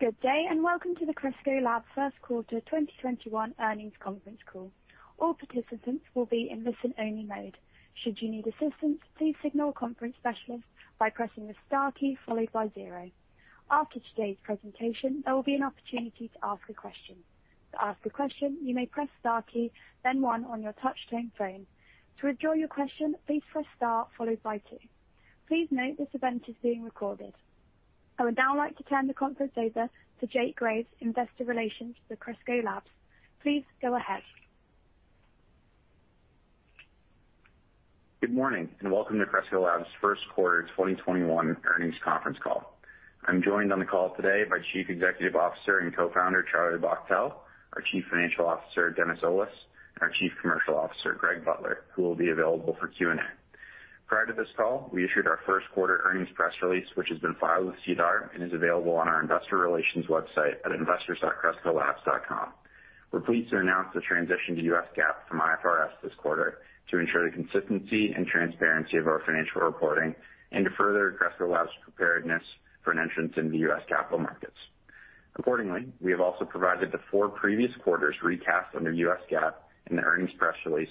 Good day, and welcome to the Cresco Labs First Quarter 2021 Earnings Conference Call. All participants will be in listen-only mode. Should you need assistance, please signal a conference specialist by pressing the star key followed by zero. After today's presentation, there will be an opportunity to ask a question. To ask a question, you may press star key, then one on your touch-tone phone. To withdraw your question, please press star followed by two. Please note, this event is being recorded. I would now like to turn the conference over to Jake Graves, Investor Relations with Cresco Labs. Please go ahead. Good morning, and welcome to Cresco Labs' first quarter 2021 earnings conference call. I'm joined on the call today by Chief Executive Officer and Co-founder, Charlie Bachtell, our Chief Financial Officer, Dennis Olis, and our Chief Commercial Officer, Greg Butler, who will be available for Q&A. Prior to this call, we issued our first quarter earnings press release, which has been filed with SEDAR and is available on our investor relations website at investors.crescolabs.com. We're pleased to announce the transition to U.S. GAAP from IFRS this quarter to ensure the consistency and transparency of our financial reporting and to further Cresco Labs' preparedness for an entrance into the U.S. capital markets. Accordingly, we have also provided the four previous quarters recast under U.S. GAAP in the earnings press release,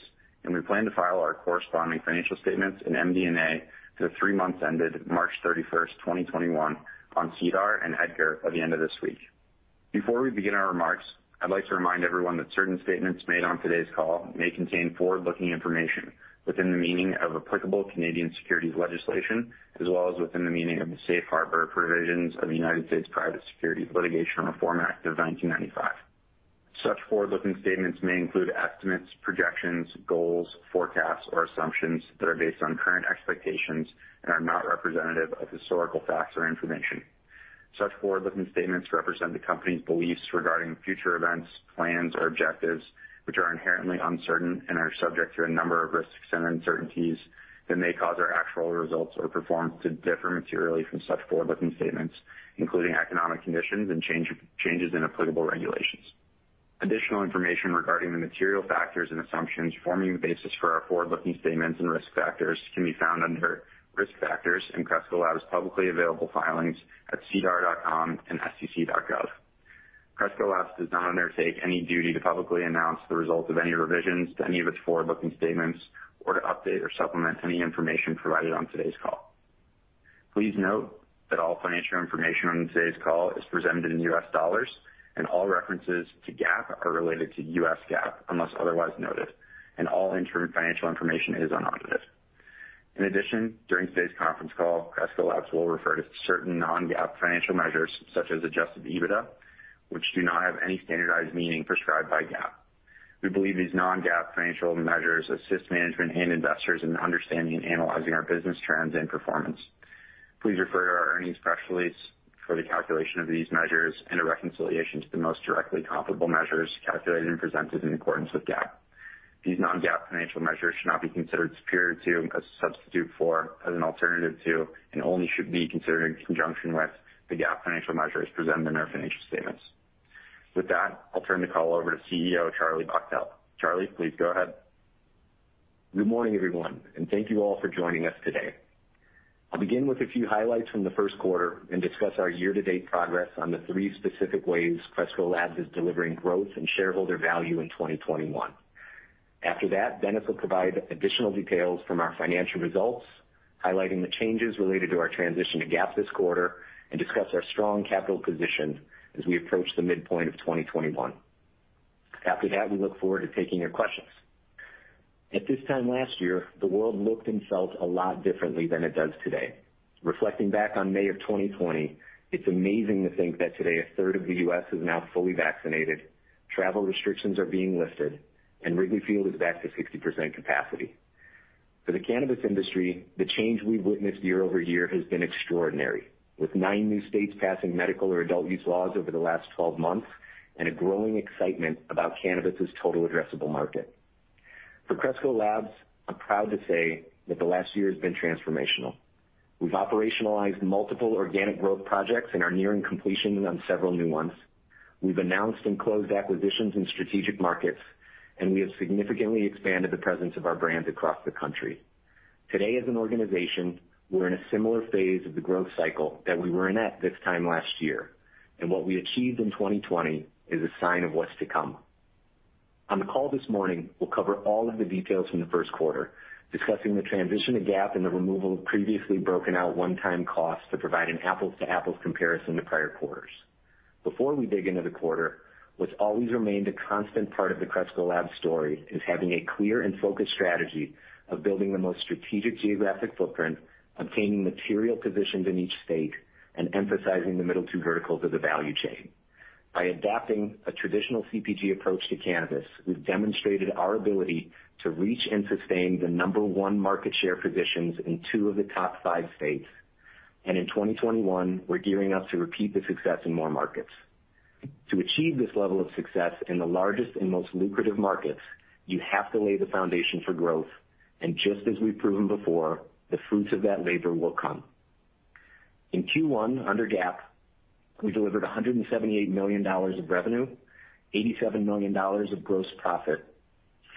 and we plan to file our corresponding financial statements in MD&A for the three months ended March 31st, 2021 on SEDAR and EDGAR by the end of this week. Before we begin our remarks, I'd like to remind everyone that certain statements made on today's call may contain forward-looking information within the meaning of applicable Canadian securities legislation, as well as within the meaning of the Safe Harbor Provisions of the United States Private Securities Litigation Reform Act of 1995. Such forward-looking statements may include estimates, projections, goals, forecasts, or assumptions that are based on current expectations and are not representative of historical facts or information. Such forward-looking statements represent the company's beliefs regarding future events, plans, or objectives, which are inherently uncertain and are subject to a number of risks and uncertainties that may cause our actual results or performance to differ materially from such forward-looking statements, including economic conditions and changes in applicable regulations. Additional information regarding the material factors and assumptions forming the basis for our forward-looking statements and risk factors can be found under Risk Factors in Cresco Labs' publicly available filings at SEDAR.com and SEC.gov. Cresco Labs does not undertake any duty to publicly announce the results of any revisions to any of its forward-looking statements or to update or supplement any information provided on today's call. Please note that all financial information on today's call is presented in U.S. dollars, and all references to GAAP are related to U.S. GAAP, unless otherwise noted, and all interim financial information is unaudited. In addition, during today's conference call, Cresco Labs will refer to certain non-GAAP financial measures, such as Adjusted EBITDA, which do not have any standardized meaning prescribed by GAAP. We believe these non-GAAP financial measures assist management and investors in understanding and analyzing our business trends and performance. Please refer to our earnings press release for the calculation of these measures and a reconciliation to the most directly comparable measures calculated and presented in accordance with GAAP. These non-GAAP financial measures should not be considered superior to, a substitute for, as an alternative to, and only should be considered in conjunction with the GAAP financial measures presented in our financial statements. With that, I'll turn the call over to CEO, Charlie Bachtell. Charlie, please go ahead. Good morning, everyone, and thank you all for joining us today. I'll begin with a few highlights from the first quarter and discuss our year-to-date progress on the three specific ways Cresco Labs is delivering growth and shareholder value in 2021. After that, Dennis will provide additional details from our financial results, highlighting the changes related to our transition to GAAP this quarter and discuss our strong capital position as we approach the midpoint of 2021. After that, we look forward to taking your questions. At this time last year, the world looked and felt a lot differently than it does today. Reflecting back on May of 2020, it's amazing to think that today, a third of the U.S. is now fully vaccinated, travel restrictions are being lifted, and Wrigley Field is back to 60% capacity. For the cannabis industry, the change we've witnessed year-over-year has been extraordinary, with nine new states passing medical or adult use laws over the last 12 months and a growing excitement about cannabis' total addressable market. For Cresco Labs, I'm proud to say that the last year has been transformational. We've operationalized multiple organic growth projects and are nearing completion on several new ones. We've announced and closed acquisitions in strategic markets, and we have significantly expanded the presence of our brand across the country. Today, as an organization, we're in a similar phase of the growth cycle that we were in at this time last year, and what we achieved in 2020 is a sign of what's to come. On the call this morning, we'll cover all of the details from the first quarter, discussing the transition to GAAP and the removal of previously broken out one-time costs to provide an apples to apples comparison to prior quarters. Before we dig into the quarter, what's always remained a constant part of the Cresco Labs story is having a clear and focused strategy of building the most strategic geographic footprint, obtaining material positions in each state, and emphasizing the middle two verticals of the value chain. By adopting a traditional CPG approach to cannabis, we've demonstrated our ability to reach and sustain the number one market share positions in two of the top five states, and in 2021, we're gearing up to repeat the success in more markets. To achieve this level of success in the largest and most lucrative markets, you have to lay the foundation for growth, and just as we've proven before, the fruits of that labor will come. In Q1, under GAAP, we delivered $178 million of revenue, $87 million of gross profit,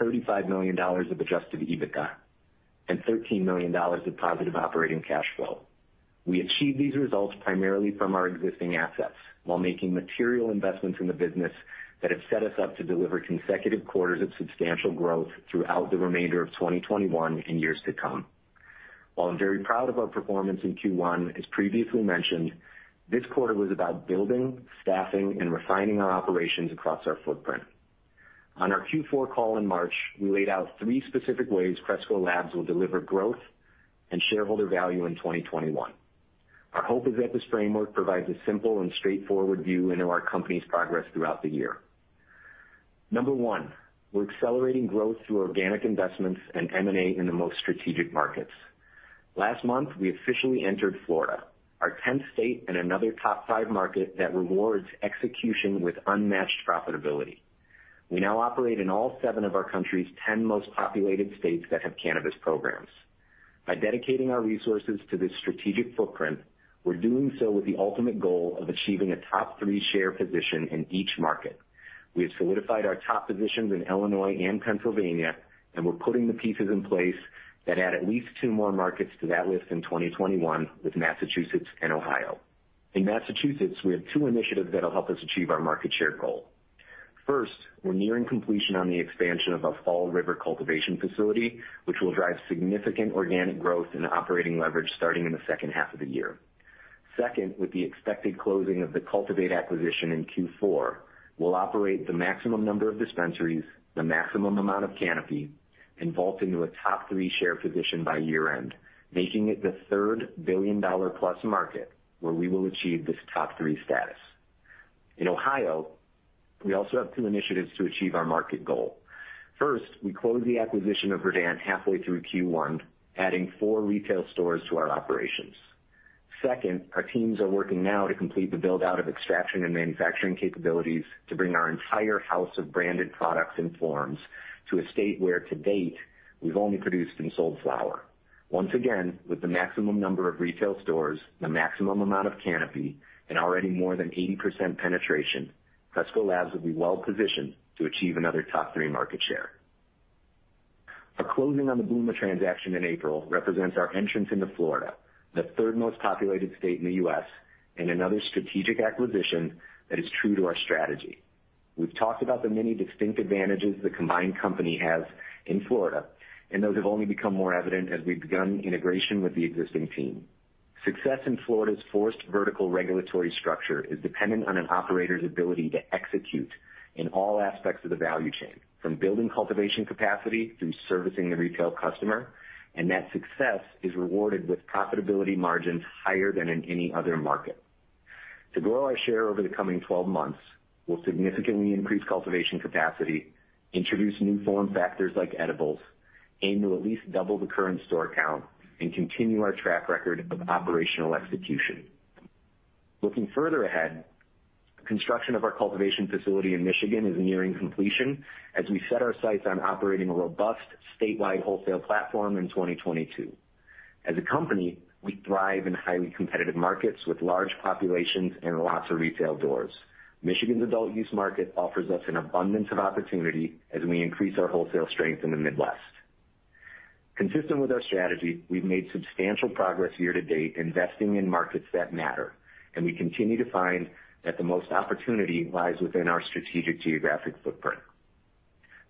$35 million of Adjusted EBITDA, and $13 million of positive operating cash flow. We achieved these results primarily from our existing assets, while making material investments in the business that have set us up to deliver consecutive quarters of substantial growth throughout the remainder of 2021 and years to come. While I'm very proud of our performance in Q1, as previously mentioned, this quarter was about building, staffing, and refining our operations across our footprint. On our Q4 call in March, we laid out three specific ways Cresco Labs will deliver growth and shareholder value in 2021. Our hope is that this framework provides a simple and straightforward view into our company's progress throughout the year. Number one, we're accelerating growth through organic investments and M&A in the most strategic markets. Last month, we officially entered Florida, our 10th state and another top five market that rewards execution with unmatched profitability. We now operate in all seven of our country's 10 most populated states that have cannabis programs. By dedicating our resources to this strategic footprint, we're doing so with the ultimate goal of achieving a top three share position in each market. We have solidified our top positions in Illinois and Pennsylvania, and we're putting the pieces in place that add at least two more markets to that list in 2021 with Massachusetts and Ohio. In Massachusetts, we have two initiatives that'll help us achieve our market share goal. First, we're nearing completion on the expansion of our Fall River cultivation facility, which will drive significant organic growth and operating leverage starting in the second half of the year. Second, with the expected closing of the Cultivate acquisition in Q4, we'll operate the maximum number of dispensaries, the maximum amount of canopy, and vault into a top three share position by year-end, making it the third billion-dollar-plus market where we will achieve this top three status. In Ohio, we also have two initiatives to achieve our market goal. First, we closed the acquisition of Verdant halfway through Q1, adding four retail stores to our operations. Second, our teams are working now to complete the build-out of extraction and manufacturing capabilities to bring our entire house of branded products and forms to a state where, to date, we've only produced and sold flower. Once again, with the maximum number of retail stores, the maximum amount of canopy, and already more than 80% penetration, Cresco Labs will be well positioned to achieve another top three market share. Our closing on the Bluma transaction in April represents our entrance into Florida, the third most populated state in the U.S., and another strategic acquisition that is true to our strategy. We've talked about the many distinct advantages the combined company has in Florida, and those have only become more evident as we've begun integration with the existing team. Success in Florida's forced vertical regulatory structure is dependent on an operator's ability to execute in all aspects of the value chain, from building cultivation capacity through servicing the retail customer, and that success is rewarded with profitability margins higher than in any other market. To grow our share over the coming 12 months, we'll significantly increase cultivation capacity, introduce new form factors like edibles, aim to at least double the current store count, and continue our track record of operational execution. Looking further ahead, construction of our cultivation facility in Michigan is nearing completion as we set our sights on operating a robust statewide wholesale platform in 2022. As a company, we thrive in highly competitive markets with large populations and lots of retail doors. Michigan's adult use market offers us an abundance of opportunity as we increase our wholesale strength in the Midwest. Consistent with our strategy, we've made substantial progress year to date, investing in markets that matter, and we continue to find that the most opportunity lies within our strategic geographic footprint.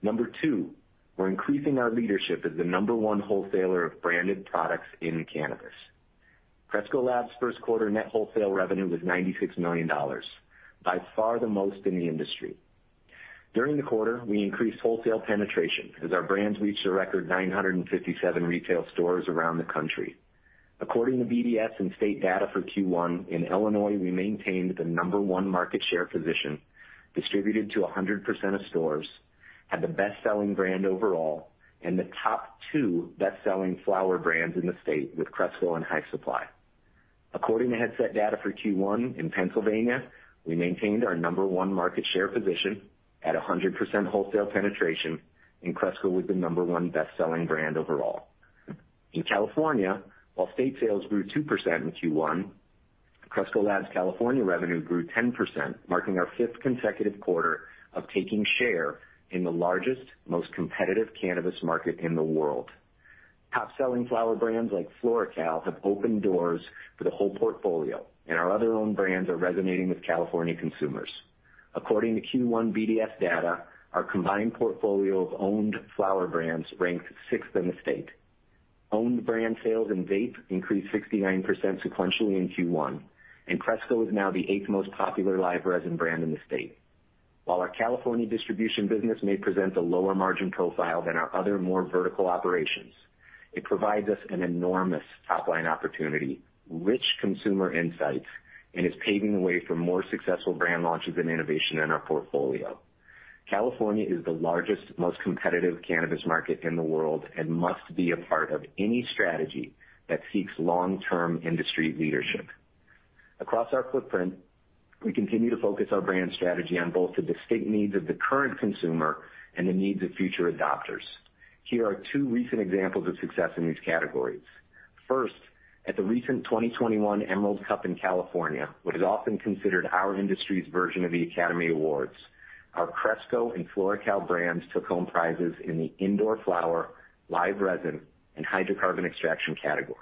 Number two, we're increasing our leadership as the number one wholesaler of branded products in cannabis. Cresco Labs' first quarter net wholesale revenue was $96 million, by far the most in the industry. During the quarter, we increased wholesale penetration as our brands reached a record 957 retail stores around the country. According to BDS and state data for Q1, in Illinois, we maintained the number one market share position, distributed to 100% of stores, had the best-selling brand overall, and the top two best-selling flower brands in the state with Cresco and High Supply. According to Headset data for Q1, in Pennsylvania, we maintained our number one market share position at 100% wholesale penetration, and Cresco was the number one best-selling brand overall. In California, while state sales grew 2% in Q1, Cresco Labs' California revenue grew 10%, marking our fifth consecutive quarter of taking share in the largest, most competitive cannabis market in the world. Top-selling flower brands like FloraCal have opened doors for the whole portfolio, and our other own brands are resonating with California consumers. According to Q1 BDS data, our combined portfolio of owned flower brands ranked sixth in the state. Owned brand sales in vape increased 69% sequentially in Q1, and Cresco is now the eighth most popular live resin brand in the state. While our California distribution business may present a lower margin profile than our other more vertical operations, it provides us an enormous top-line opportunity, rich consumer insights, and is paving the way for more successful brand launches and innovation in our portfolio. California is the largest, most competitive cannabis market in the world and must be a part of any strategy that seeks long-term industry leadership. Across our footprint. We continue to focus our brand strategy on both the distinct needs of the current consumer and the needs of future adopters. Here are two recent examples of success in these categories. First, at the recent 2021 Emerald Cup in California, what is often considered our industry's version of the Academy Awards, our Cresco and FloraCal brands took home prizes in the indoor flower, live resin, and hydrocarbon extraction categories.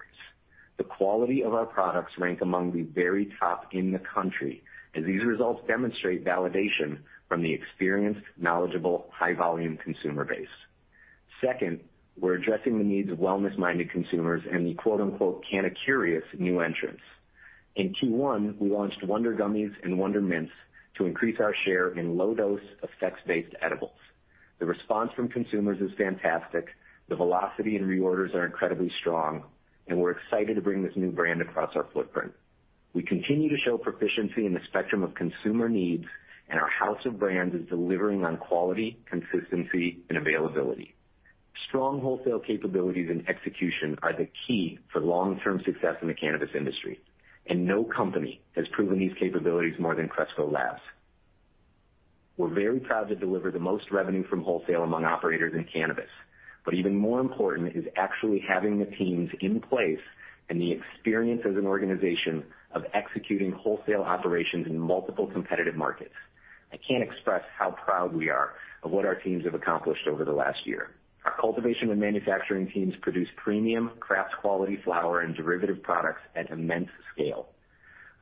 The quality of our products rank among the very top in the country, as these results demonstrate validation from the experienced, knowledgeable, high-volume consumer base. Second, we're addressing the needs of wellness-minded consumers and the quote, unquote, "canna-curious" new entrants. In Q1, we launched Wonder Gummies and Wonder Mints to increase our share in low-dose effects-based edibles. The response from consumers is fantastic, the velocity and reorders are incredibly strong, and we're excited to bring this new brand across our footprint. We continue to show proficiency in the spectrum of consumer needs, and our house of brands is delivering on quality, consistency, and availability. Strong wholesale capabilities and execution are the key for long-term success in the cannabis industry, and no company has proven these capabilities more than Cresco Labs. We're very proud to deliver the most revenue from wholesale among operators in cannabis, but even more important is actually having the teams in place and the experience as an organization of executing wholesale operations in multiple competitive markets. I can't express how proud we are of what our teams have accomplished over the last year. Our cultivation and manufacturing teams produce premium, craft-quality flower and derivative products at immense scale.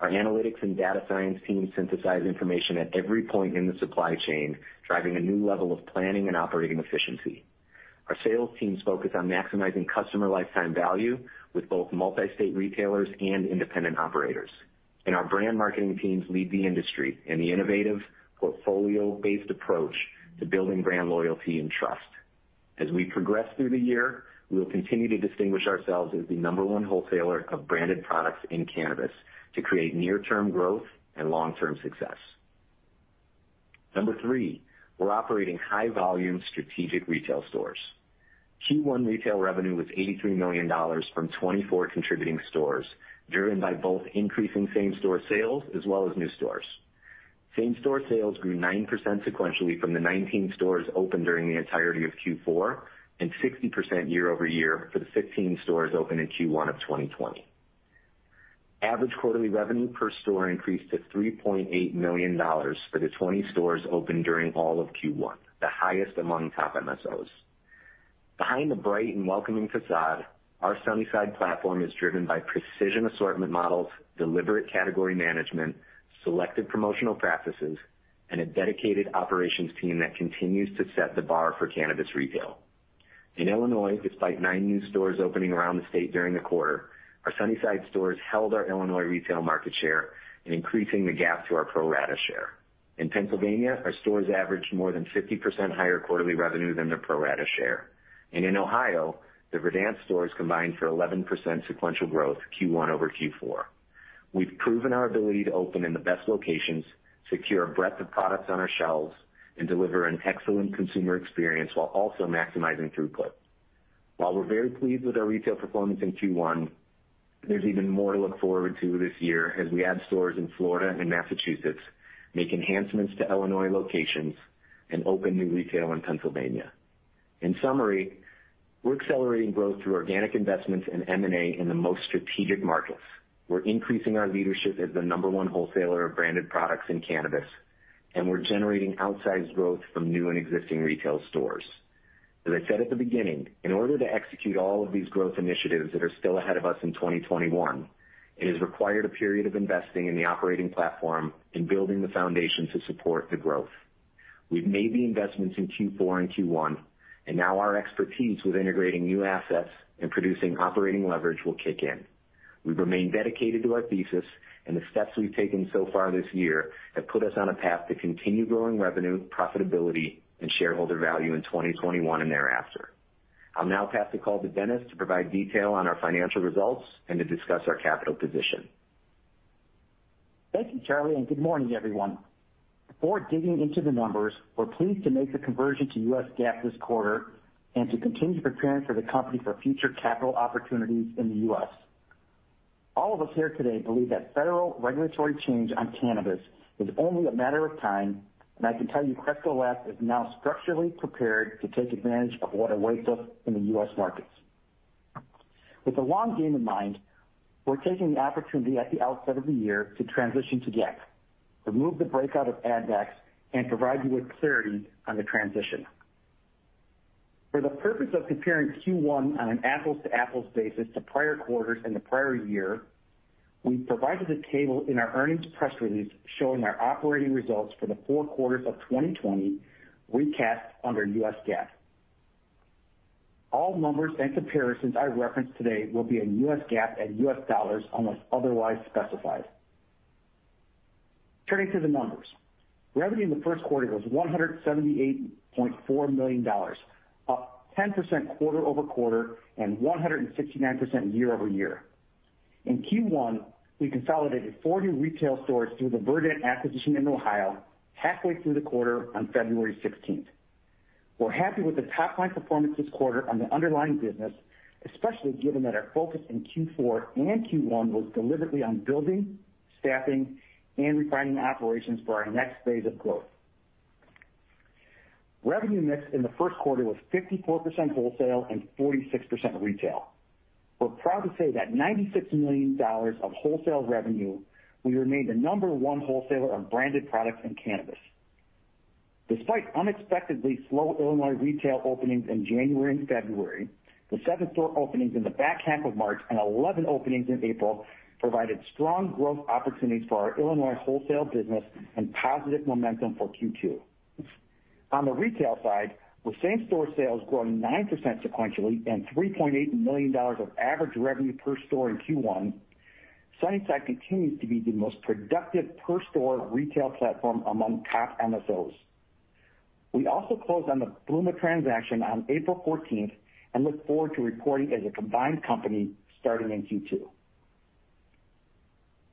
Our analytics and data science teams synthesize information at every point in the supply chain, driving a new level of planning and operating efficiency. Our sales teams focus on maximizing customer lifetime value with both multi-state retailers and independent operators. And our brand marketing teams lead the industry in the innovative, portfolio-based approach to building brand loyalty and trust. As we progress through the year, we will continue to distinguish ourselves as the number one wholesaler of branded products in cannabis to create near-term growth and long-term success. Number three, we're operating high-volume, strategic retail stores. Q1 retail revenue was $83 million from 24 contributing stores, driven by both increasing same-store sales as well as new stores. Same-store sales grew 9% sequentially from the 19 stores opened during the entirety of Q4, and 60% year-over-year for the 16 stores opened in Q1 of 2020. Average quarterly revenue per store increased to $3.8 million for the 20 stores opened during all of Q1, the highest among top MSOs. Behind the bright and welcoming facade, our Sunnyside platform is driven by precision assortment models, deliberate category management, selective promotional practices, and a dedicated operations team that continues to set the bar for cannabis retail. In Illinois, despite nine new stores opening around the state during the quarter, our Sunnyside stores held our Illinois retail market share in increasing the gap to our pro rata share. In Pennsylvania, our stores averaged more than 50% higher quarterly revenue than their pro rata share. And in Ohio, the Verdant stores combined for 11% sequential growth, Q1 over Q4. We've proven our ability to open in the best locations, secure a breadth of products on our shelves, and deliver an excellent consumer experience while also maximizing throughput. While we're very pleased with our retail performance in Q1, there's even more to look forward to this year as we add stores in Florida and Massachusetts, make enhancements to Illinois locations, and open new retail in Pennsylvania. In summary, we're accelerating growth through organic investments and M&A in the most strategic markets. We're increasing our leadership as the number one wholesaler of branded products in cannabis, and we're generating outsized growth from new and existing retail stores. As I said at the beginning, in order to execute all of these growth initiatives that are still ahead of us in 2021, it has required a period of investing in the operating platform and building the foundation to support the growth. We've made the investments in Q4 and Q1, and now our expertise with integrating new assets and producing operating leverage will kick in. We remain dedicated to our thesis, and the steps we've taken so far this year have put us on a path to continue growing revenue, profitability, and shareholder value in 2021 and thereafter. I'll now pass the call to Dennis to provide detail on our financial results and to discuss our capital position. Thank you, Charlie, and good morning, everyone. Before digging into the numbers, we're pleased to make the conversion to U.S. GAAP this quarter and to continue preparing the company for future capital opportunities in the U.S. All of us here today believe that federal regulatory change on cannabis is only a matter of time, and I can tell you Cresco Labs is now structurally prepared to take advantage of what awaits us in the U.S. markets. With the long game in mind, we're taking the opportunity at the outset of the year to transition to GAAP, remove the breakout of add-backs, and provide you with clarity on the transition. For the purpose of comparing Q1 on an apples-to-apples basis to prior quarters in the prior year, we provided a table in our earnings press release showing our operating results for the four quarters of 2020, recapped under U.S. GAAP. All numbers and comparisons I reference today will be in US GAAP and U.S. dollars, unless otherwise specified. Turning to the numbers. Revenue in the first quarter was $178.4 million, up 10% quarter-over-quarter and 169% year-over-year. In Q1, we consolidated four new retail stores through the Verdant acquisition in Ohio, halfway through the quarter on February 16th. We're happy with the top-line performance this quarter on the underlying business, especially given that our focus in Q4 and Q1 was deliberately on building, staffing, and refining operations for our next phase of growth. Revenue mix in the first quarter was 54% wholesale and 46% retail. We're proud to say that $96 million of wholesale revenue. We remained the number one wholesaler of branded products in cannabis. Despite unexpectedly slow Illinois retail openings in January and February, the 7 store openings in the back half of March and 11 openings in April provided strong growth opportunities for our Illinois wholesale business and positive momentum for Q2. On the retail side, with same-store sales growing 9% sequentially and $3.8 million of average revenue per store in Q1, Sunnyside continues to be the most productive per store retail platform among top MSOs. We also closed on the Bluma transaction on April fourteenth, and look forward to reporting as a combined company starting in Q2.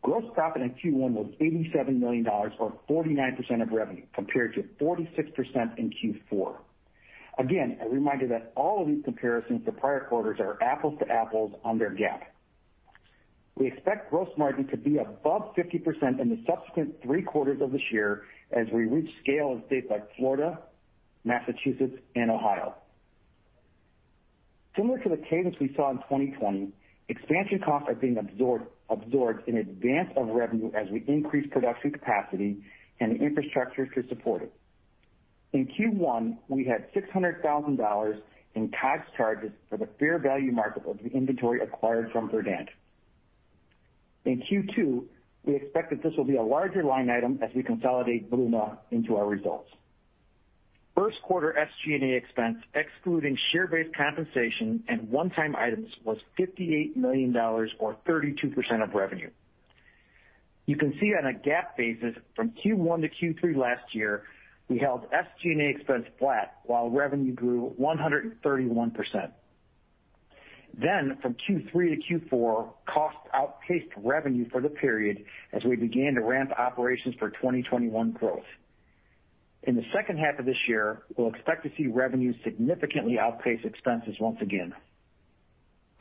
Gross profit in Q1 was $87 million, or 49% of revenue, compared to 46% in Q4. Again, a reminder that all of these comparisons to prior quarters are apples-to-apples on their GAAP. We expect gross margin to be above 50% in the subsequent three quarters of this year as we reach scale in states like Florida, Massachusetts, and Ohio. Similar to the cadence we saw in 2020, expansion costs are being absorbed in advance of revenue as we increase production capacity and the infrastructure to support it. In Q1, we had $600,000 in COGS charges for the fair value markup of the inventory acquired from Verdant. In Q2, we expect that this will be a larger line item as we consolidate Bluma into our results. First quarter SG&A expense, excluding share-based compensation and one-time items, was $58 million, or 32% of revenue. You can see on a GAAP basis, from Q1 to Q3 last year, we held SG&A expense flat while revenue grew 131%. Then, from Q3 to Q4, costs outpaced revenue for the period as we began to ramp operations for 2021 growth. In the second half of this year, we'll expect to see revenue significantly outpace expenses once again.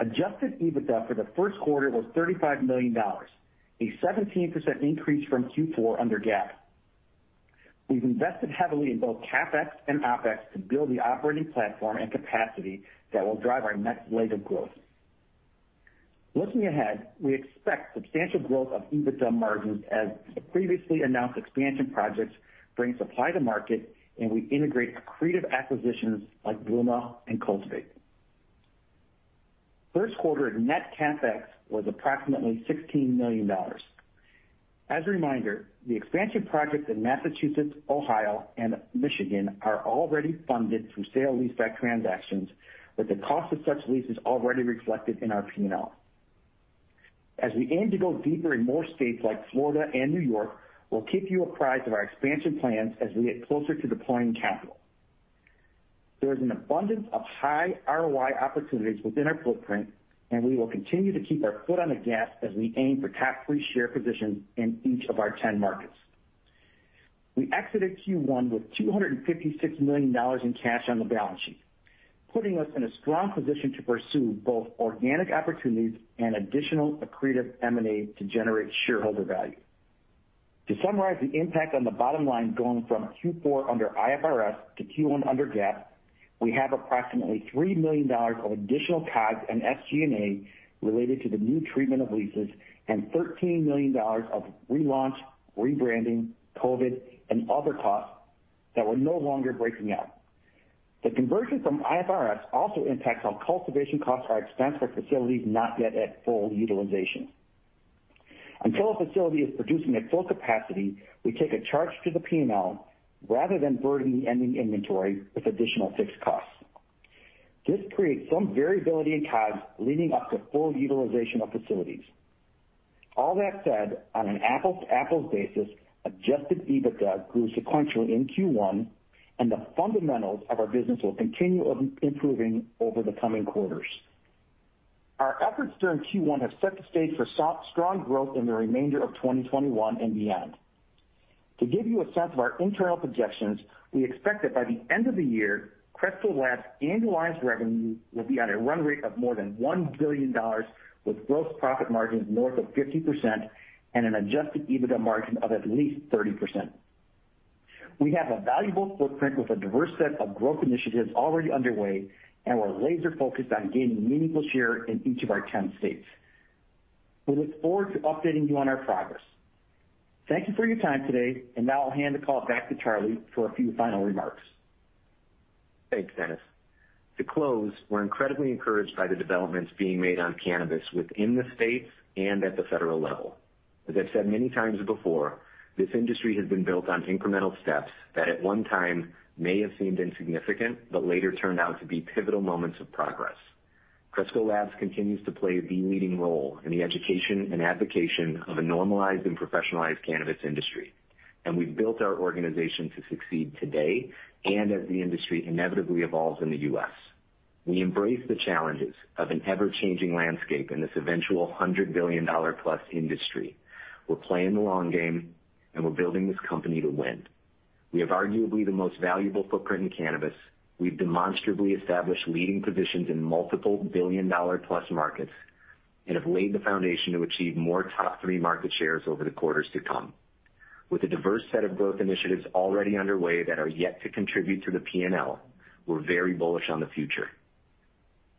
Adjusted EBITDA for the first quarter was $35 million, a 17% increase from Q4 under GAAP. We've invested heavily in both CapEx and OpEx to build the operating platform and capacity that will drive our next leg of growth. Looking ahead, we expect substantial growth of EBITDA margins as the previously announced expansion projects bring supply to market and we integrate accretive acquisitions like Bluma and Cultivate. First quarter net CapEx was approximately $16 million. As a reminder, the expansion projects in Massachusetts, Ohio, and Michigan are already funded through sale leaseback transactions, with the cost of such leases already reflected in our P&L. As we aim to go deeper in more states like Florida and New York, we'll keep you apprised of our expansion plans as we get closer to deploying capital. There is an abundance of high ROI opportunities within our footprint, and we will continue to keep our foot on the gas as we aim for top three share positions in each of our 10 markets. We exited Q1 with $256 million in cash on the balance sheet, putting us in a strong position to pursue both organic opportunities and additional accretive M&A to generate shareholder value. To summarize the impact on the bottom line, going from Q4 under IFRS to Q1 under GAAP, we have approximately $3 million of additional COGS and SG&A related to the new treatment of leases and $13 million of relaunch, rebranding, COVID, and other costs that we're no longer breaking out. The conversion from IFRS also impacts how cultivation costs are expensed for facilities not yet at full utilization. Until a facility is producing at full capacity, we take a charge to the P&L rather than burden the ending inventory with additional fixed costs. This creates some variability in COGS leading up to full utilization of facilities. All that said, on an apples-to-apples basis, Adjusted EBITDA grew sequentially in Q1, and the fundamentals of our business will continue improving over the coming quarters. Our efforts during Q1 have set the stage for so strong growth in the remainder of 2021 and beyond. To give you a sense of our internal projections, we expect that by the end of the year, Cresco Labs' annualized revenue will be on a run rate of more than $1 billion, with gross profit margins north of 50% and an Adjusted EBITDA margin of at least 30%. We have a valuable footprint with a diverse set of growth initiatives already underway, and we're laser focused on gaining meaningful share in each of our 10 states. We look forward to updating you on our progress. Thank you for your time today, and now I'll hand the call back to Charlie for a few final remarks. Thanks, Dennis. To close, we're incredibly encouraged by the developments being made on cannabis within the states and at the federal level. As I've said many times before, this industry has been built on incremental steps that at one time may have seemed insignificant, but later turned out to be pivotal moments of progress. Cresco Labs continues to play the leading role in the education and advocacy of a normalized and professionalized cannabis industry, and we've built our organization to succeed today and as the industry inevitably evolves in the U.S. We embrace the challenges of an ever-changing landscape in this eventual $100 billion-plus industry. We're playing the long game, and we're building this company to win. We have arguably the most valuable footprint in cannabis. We've demonstrably established leading positions in multiple billion dollar plus markets and have laid the foundation to achieve more top three market shares over the quarters to come. With a diverse set of growth initiatives already underway that are yet to contribute to the P&L, we're very bullish on the future.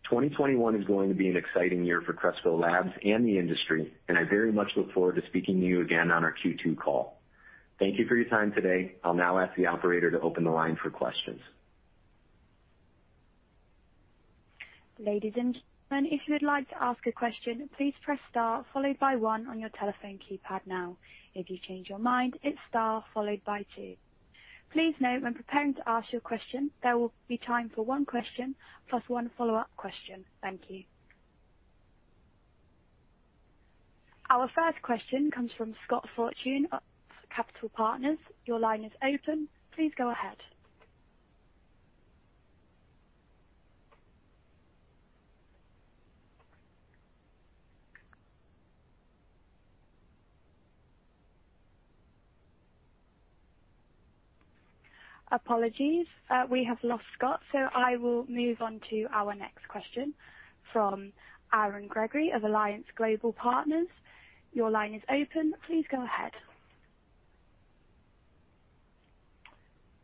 2021 is going to be an exciting year for Cresco Labs and the industry, and I very much look forward to speaking to you again on our Q2 call. Thank you for your time today. I'll now ask the operator to open the line for questions. Ladies and gentlemen, if you would like to ask a question, please press star followed by one on your telephone keypad now. If you change your mind, it's star followed by two. Please note when preparing to ask your question, there will be time for one question plus one follow-up question. Thank you. Our first question comes from Scott Fortune of Roth Capital Partners. Your line is open. Please go ahead. Apologies, we have lost Scott, so I will move on to our next question from Aaron Grey of Alliance Global Partners. Your line is open. Please go ahead.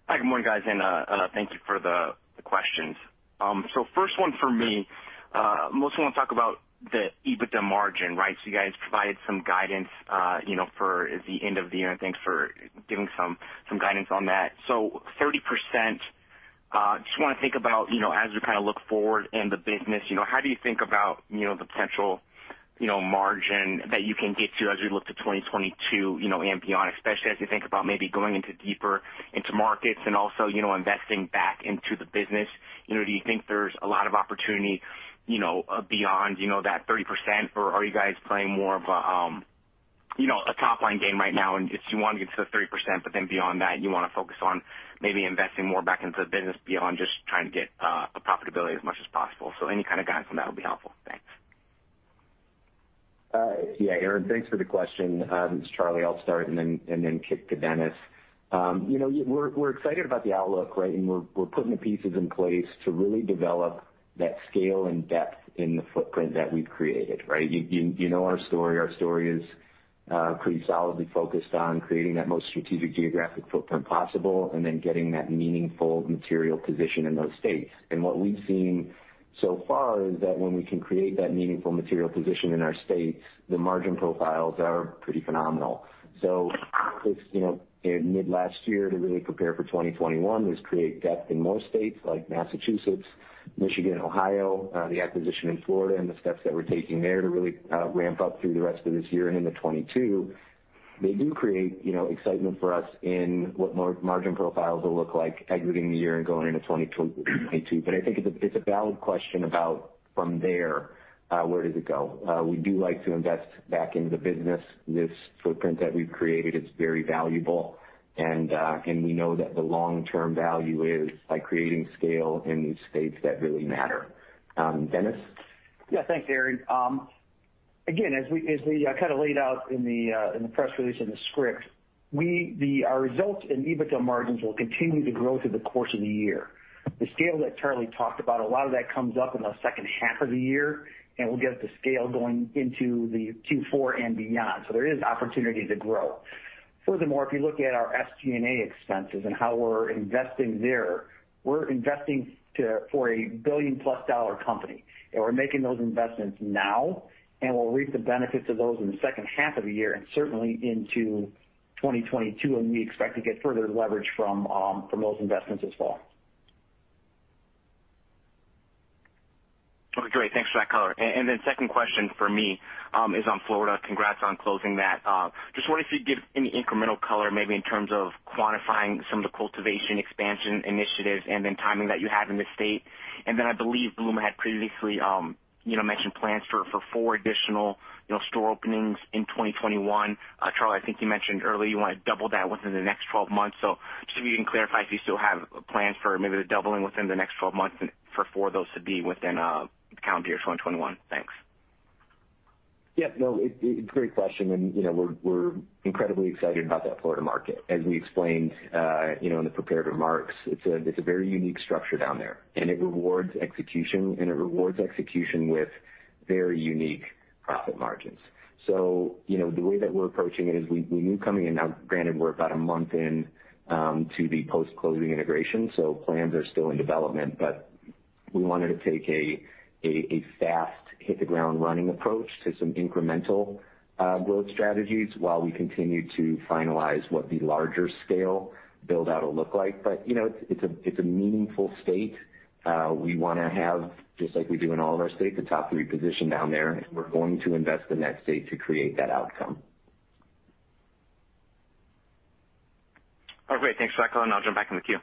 Hi, good morning, guys, and thank you for the questions. So first one for me, mostly want to talk about the EBITDA margin, right? So you guys provided some guidance, you know, for the end of the year, and thanks for giving some guidance on that. So 30%, just want to think about, you know, as you kind of look forward in the business, you know, how do you think about, you know, the potential, you know, margin that you can get to as you look to 2022, you know, and beyond, especially as you think about maybe going deeper into markets and also, you know, investing back into the business. You know, do you think there's a lot of opportunity, you know, beyond, you know, that 30%? Or are you guys playing more of a, you know, a top-line game right now, and if you want to get to the 30%, but then beyond that, you want to focus on maybe investing more back into the business beyond just trying to get a profitability as much as possible. So any kind of guidance on that would be helpful. Thanks. Yeah, Aaron, thanks for the question. It's Charlie, I'll start and then kick to Dennis. You know, we're excited about the outlook, right? And we're putting the pieces in place to really develop that scale and depth in the footprint that we've created, right? You know our story. Our story is pretty solidly focused on creating that most strategic geographic footprint possible and then getting that meaningful material position in those states. And what we've seen so far is that when we can create that meaningful material position in our states, the margin profiles are pretty phenomenal. So it's, you know, in mid-last year to really prepare for 2021, was create depth in more states like Massachusetts, Michigan, Ohio, the acquisition in Florida and the steps that we're taking there to really, ramp up through the rest of this year and into 2022. They do create, you know, excitement for us in what margin profiles will look like exiting the year and going into 2022. But I think it's a, it's a valid question about from there, where does it go? We do like to invest back into the business. This footprint that we've created is very valuable, and we know that the long-term value is by creating scale in the states that really matter. Dennis? Yeah. Thanks, Aaron. Again, as we kind of laid out in the press release and the script, our results and EBITDA margins will continue to grow through the course of the year. The scale that Charlie talked about, a lot of that comes up in the second half of the year, and we'll get the scale going into the Q4 and beyond. So there is opportunity to grow. Furthermore, if you look at our SG&A expenses and how we're investing there, we're investing for a $1 billion-plus company, and we're making those investments now, and we'll reap the benefits of those in the second half of the year and certainly into 2022, and we expect to get further leverage from those investments as well. Great. Thanks for that color. And then second question for me is on Florida. Congrats on closing that. Just wonder if you'd give any incremental color, maybe in terms of quantifying some of the cultivation expansion initiatives and then timing that you have in the state. And then I believe Bluma had previously, you know, mentioned plans for four additional, you know, store openings in 2021. Charlie, I think you mentioned earlier you want to double that within the next 12 months. So just if you can clarify if you still have plans for maybe the doubling within the next 12 months and for four of those to be within calendar year 2021. Thanks. Yeah, no, it's a great question, and, you know, we're incredibly excited about that Florida market. As we explained, you know, in the prepared remarks, it's a very unique structure down there, and it rewards execution, and it rewards execution with very unique profit margins. So, you know, the way that we're approaching it is we knew coming in. Now, granted, we're about a month in to the post-closing integration, so plans are still in development, but we wanted to take a fast hit the ground running approach to some incremental growth strategies while we continue to finalize what the larger scale build-out will look like. But, you know, it's a meaningful state. We wanna have, just like we do in all of our states, a top three position down there, and we're going to invest in that state to create that outcome. Oh, great. Thanks for that call, and I'll jump back in the queue.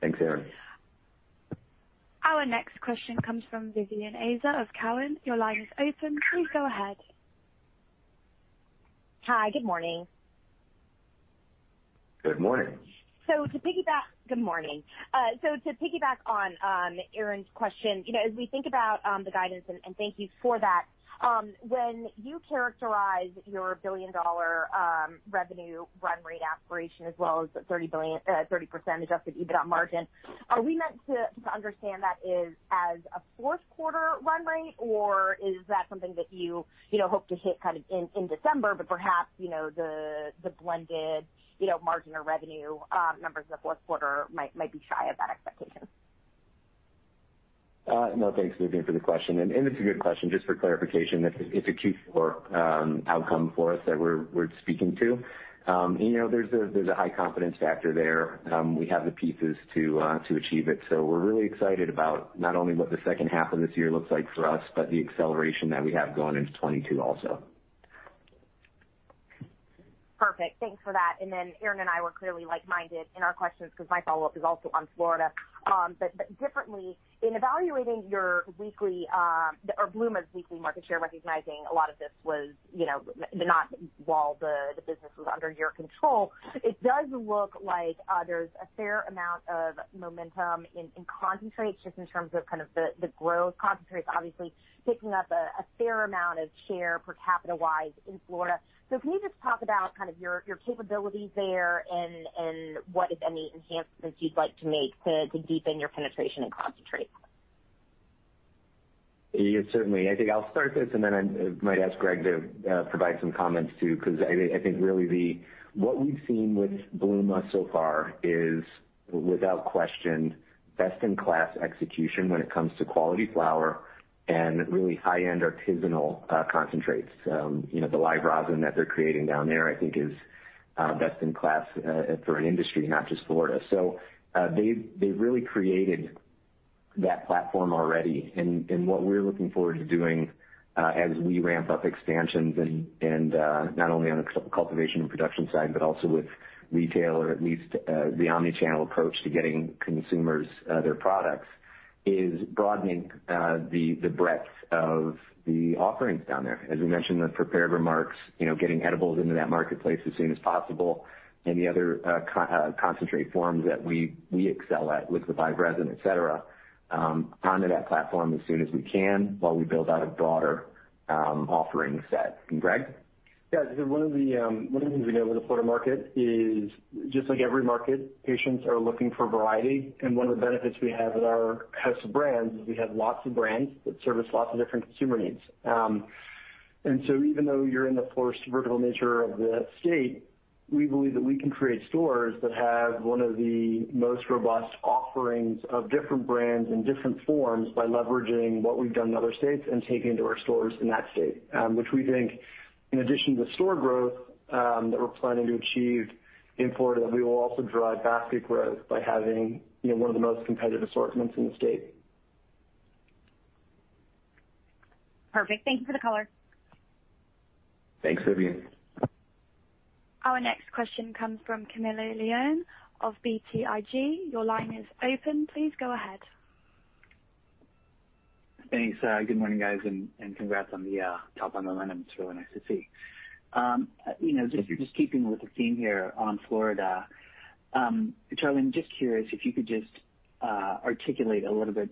Thanks, Aaron. Our next question comes from Vivien Azer of Cowen. Your line is open. Please go ahead. Hi, good morning. Good morning. So to piggyback, good morning. So to piggyback on Aaron's question, you know, as we think about the guidance, and thank you for that, when you characterize your $1 billion revenue run rate aspiration, as well as the 30% EBITDA margin, are we meant to understand that is as a fourth quarter run rate, or is that something that you, you know, hope to hit kind of in December, but perhaps, you know, the blended, you know, margin or revenue numbers in the fourth quarter might be shy of that expectation? No, thanks, Vivien, for the question, and it's a good question. Just for clarification, it's a Q4 outcome for us that we're speaking to. You know, there's a high confidence factor there. We have the pieces to achieve it. So we're really excited about not only what the second half of this year looks like for us, but the acceleration that we have going into 2022 also. Perfect. Thanks for that. And then Aaron and I were clearly like-minded in our questions, because my follow-up is also on Florida. But differently, in evaluating your weekly or Bluma's weekly market share, recognizing a lot of this was, you know, not while the business was under your control, it does look like there's a fair amount of momentum in concentrates, just in terms of kind of the growth. Concentrates obviously picking up a fair amount of share per capita-wise in Florida. So can you just talk about kind of your capabilities there and what, if any, enhancements you'd like to make to deepen your penetration in concentrates? Yeah, certainly. I think I'll start this, and then I might ask Greg to provide some comments, too, 'cause I think really the what we've seen with Bluma so far is, without question, best-in-class execution when it comes to quality flower and really high-end artisanal concentrates. You know, the live rosin that they're creating down there, I think, is best in class for an industry, not just Florida. So, they've really created that platform already. And what we're looking forward to doing as we ramp up expansions and not only on a cultivation and production side, but also with retail, or at least the omni-channel approach to getting consumers their products, is broadening the breadth of the offerings down there. As we mentioned in the prepared remarks, you know, getting edibles into that marketplace as soon as possible, any other, concentrate forms that we excel at, with the live rosin, et cetera, onto that platform as soon as we can while we build out a broader offering set. And Greg? Yeah, one of the things we know about the Florida market is, just like every market, patients are looking for variety, and one of the benefits we have with our house of brands is we have lots of brands that service lots of different consumer needs. And so even though you're in the forced vertical nature of the state, we believe that we can create stores that have one of the most robust offerings of different brands in different forms by leveraging what we've done in other states and taking it to our stores in that state. Which we think, in addition to store growth, that we're planning to achieve in Florida, we will also drive basket growth by having, you know, one of the most competitive assortments in the state. Perfect. Thank you for the color. Thanks, Vivien. Our next question comes from Camilo Lyon of BTIG. Your line is open. Please go ahead. Thanks. Good morning, guys, and congrats on the top line momentum. It's really nice to see. You know, just keeping with the theme here on Florida, Charlie, I'm just curious if you could just articulate a little bit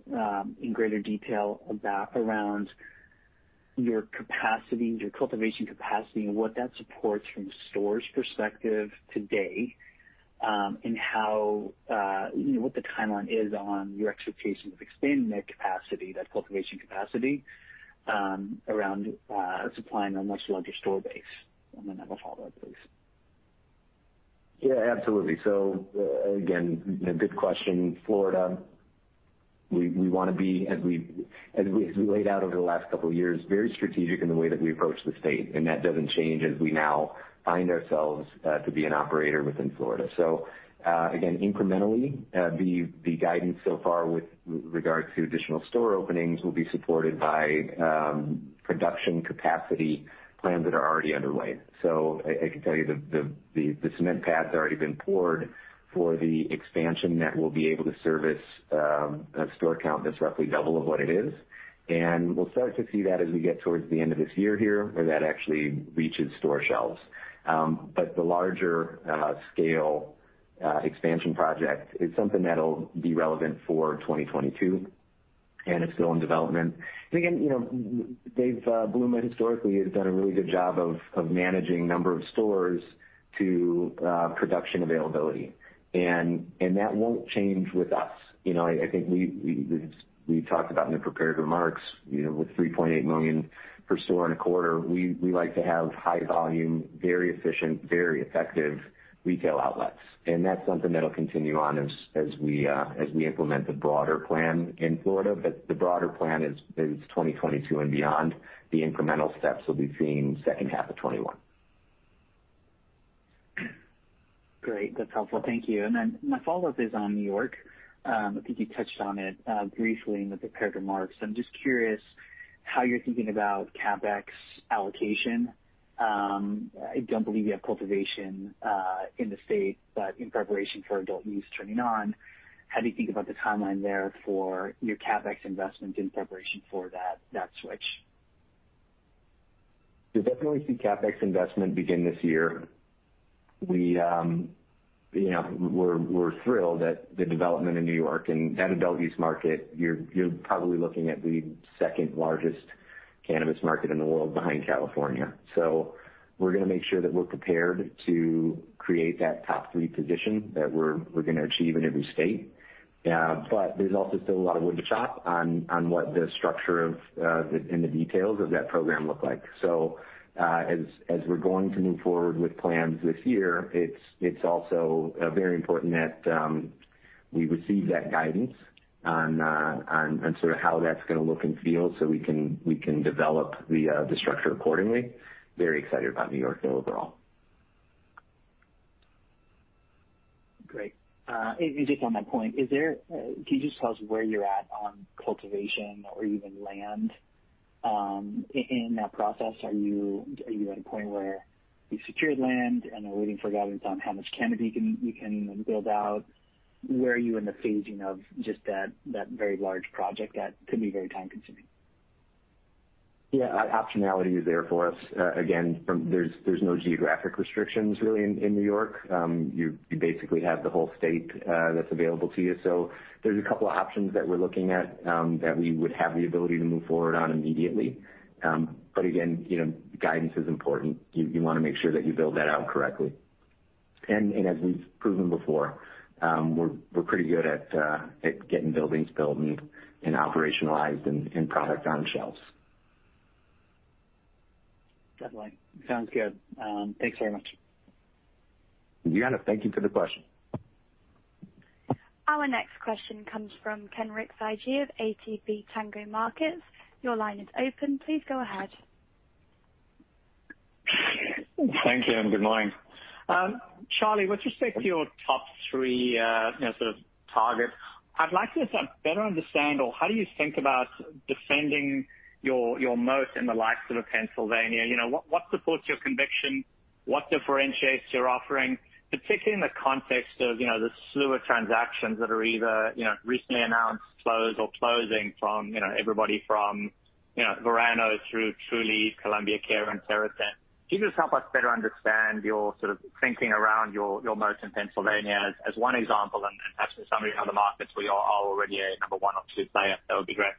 in greater detail about around your capacity, your cultivation capacity, and what that supports from a stores perspective today, and how, you know, what the timeline is on your expectation of expanding that capacity, that cultivation capacity around supplying a much larger store base. And then I have a follow-up, please. Yeah, absolutely. So, again, a good question. Florida, we wanna be, as we laid out over the last couple of years, very strategic in the way that we approach the state, and that doesn't change as we now find ourselves to be an operator within Florida. So, again, incrementally, the guidance so far with regard to additional store openings will be supported by production capacity plans that are already underway. So I can tell you the cement pad's already been poured for the expansion that will be able to service a store count that's roughly double of what it is. And we'll start to see that as we get towards the end of this year here, where that actually reaches store shelves. But the larger scale expansion project is something that'll be relevant for 2022, and it's still in development. And again, you know, they've Bluma Wellness historically has done a really good job of managing number of stores to production availability. And that won't change with us. You know, I think we talked about in the prepared remarks, you know, with $3.8 million per store in a quarter, we like to have high volume, very efficient, very effective retail outlets, and that's something that'll continue on as we implement the broader plan in Florida. But the broader plan is 2022 and beyond. The incremental steps will be seen second half of 2021. Great. That's helpful. Thank you. And then my follow-up is on New York. I think you touched on it briefly in the prepared remarks. I'm just curious how you're thinking about CapEx allocation. I don't believe you have cultivation in the state, but in preparation for adult use turning on, how do you think about the timeline there for your CapEx investment in preparation for that switch? We definitely see CapEx investment begin this year. We, you know, we're thrilled at the development in New York and adult-use market. You're probably looking at the second largest cannabis market in the world behind California. So we're gonna make sure that we're prepared to create that top three position that we're gonna achieve in every state. But there's also still a lot of wood to chop on what the structure of and the details of that program look like. So as we're going to move forward with plans this year, it's also very important that we receive that guidance on on sort of how that's gonna look and feel so we can develop the structure accordingly. Very excited about New York though, overall. Great. And just on that point, is there, can you just tell us where you're at on cultivation or even land, in that process? Are you at a point where you've secured land and are waiting for guidance on how much canopy you can even build out? Where are you in the phasing of just that very large project that could be very time consuming? Yeah, optionality is there for us. Again, there's no geographic restrictions really in New York. You basically have the whole state that's available to you. So there's a couple of options that we're looking at that we would have the ability to move forward on immediately. But again, you know, guidance is important. You wanna make sure that you build that out correctly. And as we've proven before, we're pretty good at getting buildings built and operationalized and product on shelves. Definitely. Sounds good. Thanks very much. Yeah. Thank you for the question. Our next question comes from Kenric Tyghe of ATB Capital Markets. Your line is open. Please go ahead. Thank you, and good morning. Charlie, with respect to your top three, you know, sort of targets, I'd like to better understand or how do you think about defending your, your moat in the likes of a Pennsylvania? You know, what, what supports your conviction? What differentiates your offering, particularly in the context of, you know, the slew of transactions that are either, you know, recently announced, closed, or closing from, you know, everybody from, you know, Verano through Trulieve, Columbia Care, and TerrAscend. Can you just help us better understand your sort of thinking around your, your moat in Pennsylvania as, as one example, and, and perhaps some other markets where you are already a number one or two player? That would be great.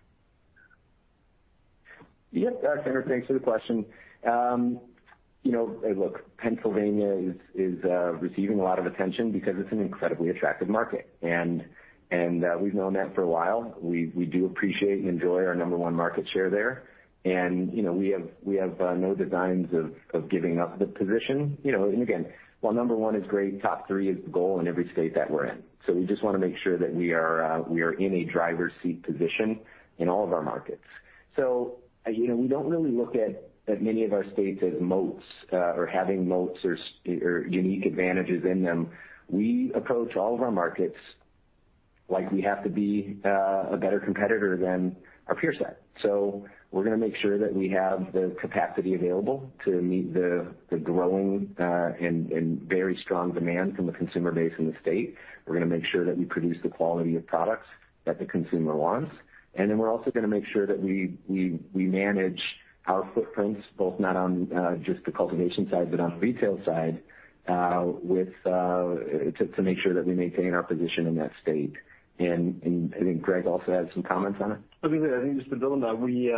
Yeah, Ken, thanks for the question. You know, look, Pennsylvania is receiving a lot of attention because it's an incredibly attractive market, and we've known that for a while. We do appreciate and enjoy our number one market share there. And, you know, we have no designs of giving up the position, you know. And again, while number one is great, top three is the goal in every state that we're in. So we just wanna make sure that we are in a driver's seat position in all of our markets. So, you know, we don't really look at many of our states as moats or having moats or unique advantages in them. We approach all of our markets like we have to be a better competitor than our peer set. So we're gonna make sure that we have the capacity available to meet the growing and very strong demand from the consumer base in the state. We're gonna make sure that we produce the quality of products that the consumer wants. And then we're also gonna make sure that we manage our footprints, both not on just the cultivation side, but on the retail side, with to make sure that we maintain our position in that state. And I think Greg also has some comments on it. I think just to build on that, we,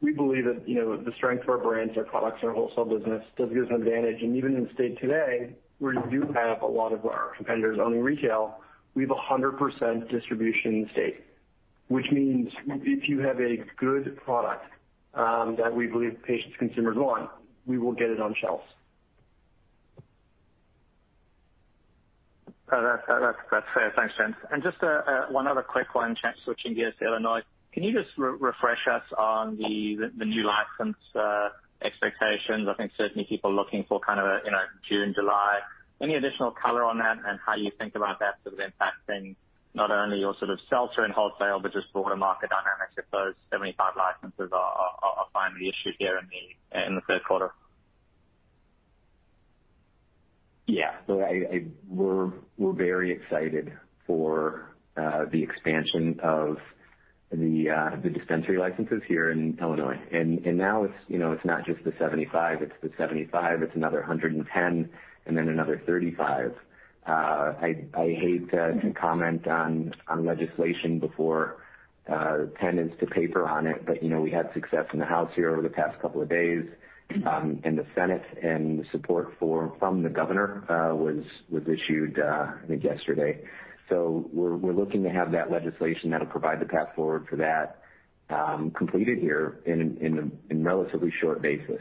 we believe that, you know, the strength of our brands, our products, and our wholesale business does give us an advantage. And even in the state today, where you do have a lot of our competitors owning retail, we have 100% distribution in the state, which means if you have a good product, that we believe patients, consumers want, we will get it on shelves. That's fair. Thanks, Greg. And just one other quick one, switching gears to Illinois. Can you just refresh us on the new license expectations? I think certainly people are looking for kind of a, you know, June, July. Any additional color on that and how you think about that sort of impacting not only your sort of shelf space in wholesale, but just broader market dynamics if those 75 licenses are finally issued here in the third quarter. Yeah. So I-- we're very excited for the expansion of the dispensary licenses here in Illinois. And now it's, you know, it's not just the 75, it's another 110, and then another 35. I hate to comment on legislation before the pen is to paper on it, but, you know, we had success in the House here over the past couple of days, and the Senate, and the support from the governor was issued, I think yesterday. So we're looking to have that legislation that'll provide the path forward for that completed here in a relatively short basis.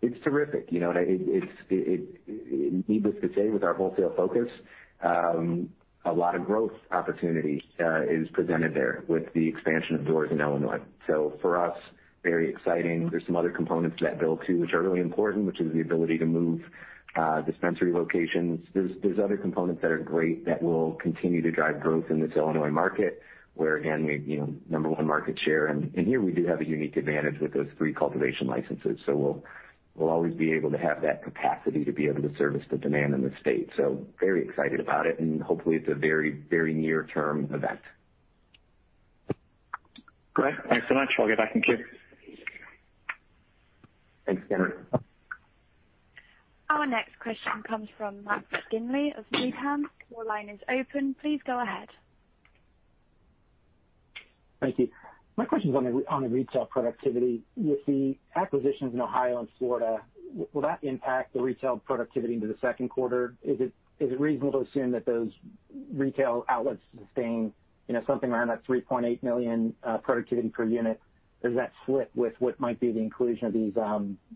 It's terrific, you know. Needless to say, with our wholesale focus, a lot of growth opportunity is presented there with the expansion of doors in Illinois. For us, very exciting. There's some other components to that bill, too, which are really important, which is the ability to move dispensary locations. There's other components that are great that will continue to drive growth in this Illinois market, where, again, we, you know, number one market share, and here we do have a unique advantage with those three cultivation licenses. We'll always be able to have that capacity to be able to service the demand in the state. Very excited about it, and hopefully, it's a very, very near-term event. Great. Thanks so much. I'll get back in queue. Thanks, Ken. Our next question comes from Matt McGinley of Needham. Your line is open. Please go ahead. Thank you. My question is on the retail productivity. With the acquisitions in Ohio and Florida, will that impact the retail productivity into the second quarter? Is it reasonable to assume that those retail outlets sustain, you know, something around that $3.8 million productivity per unit? Does that slip with what might be the inclusion of these,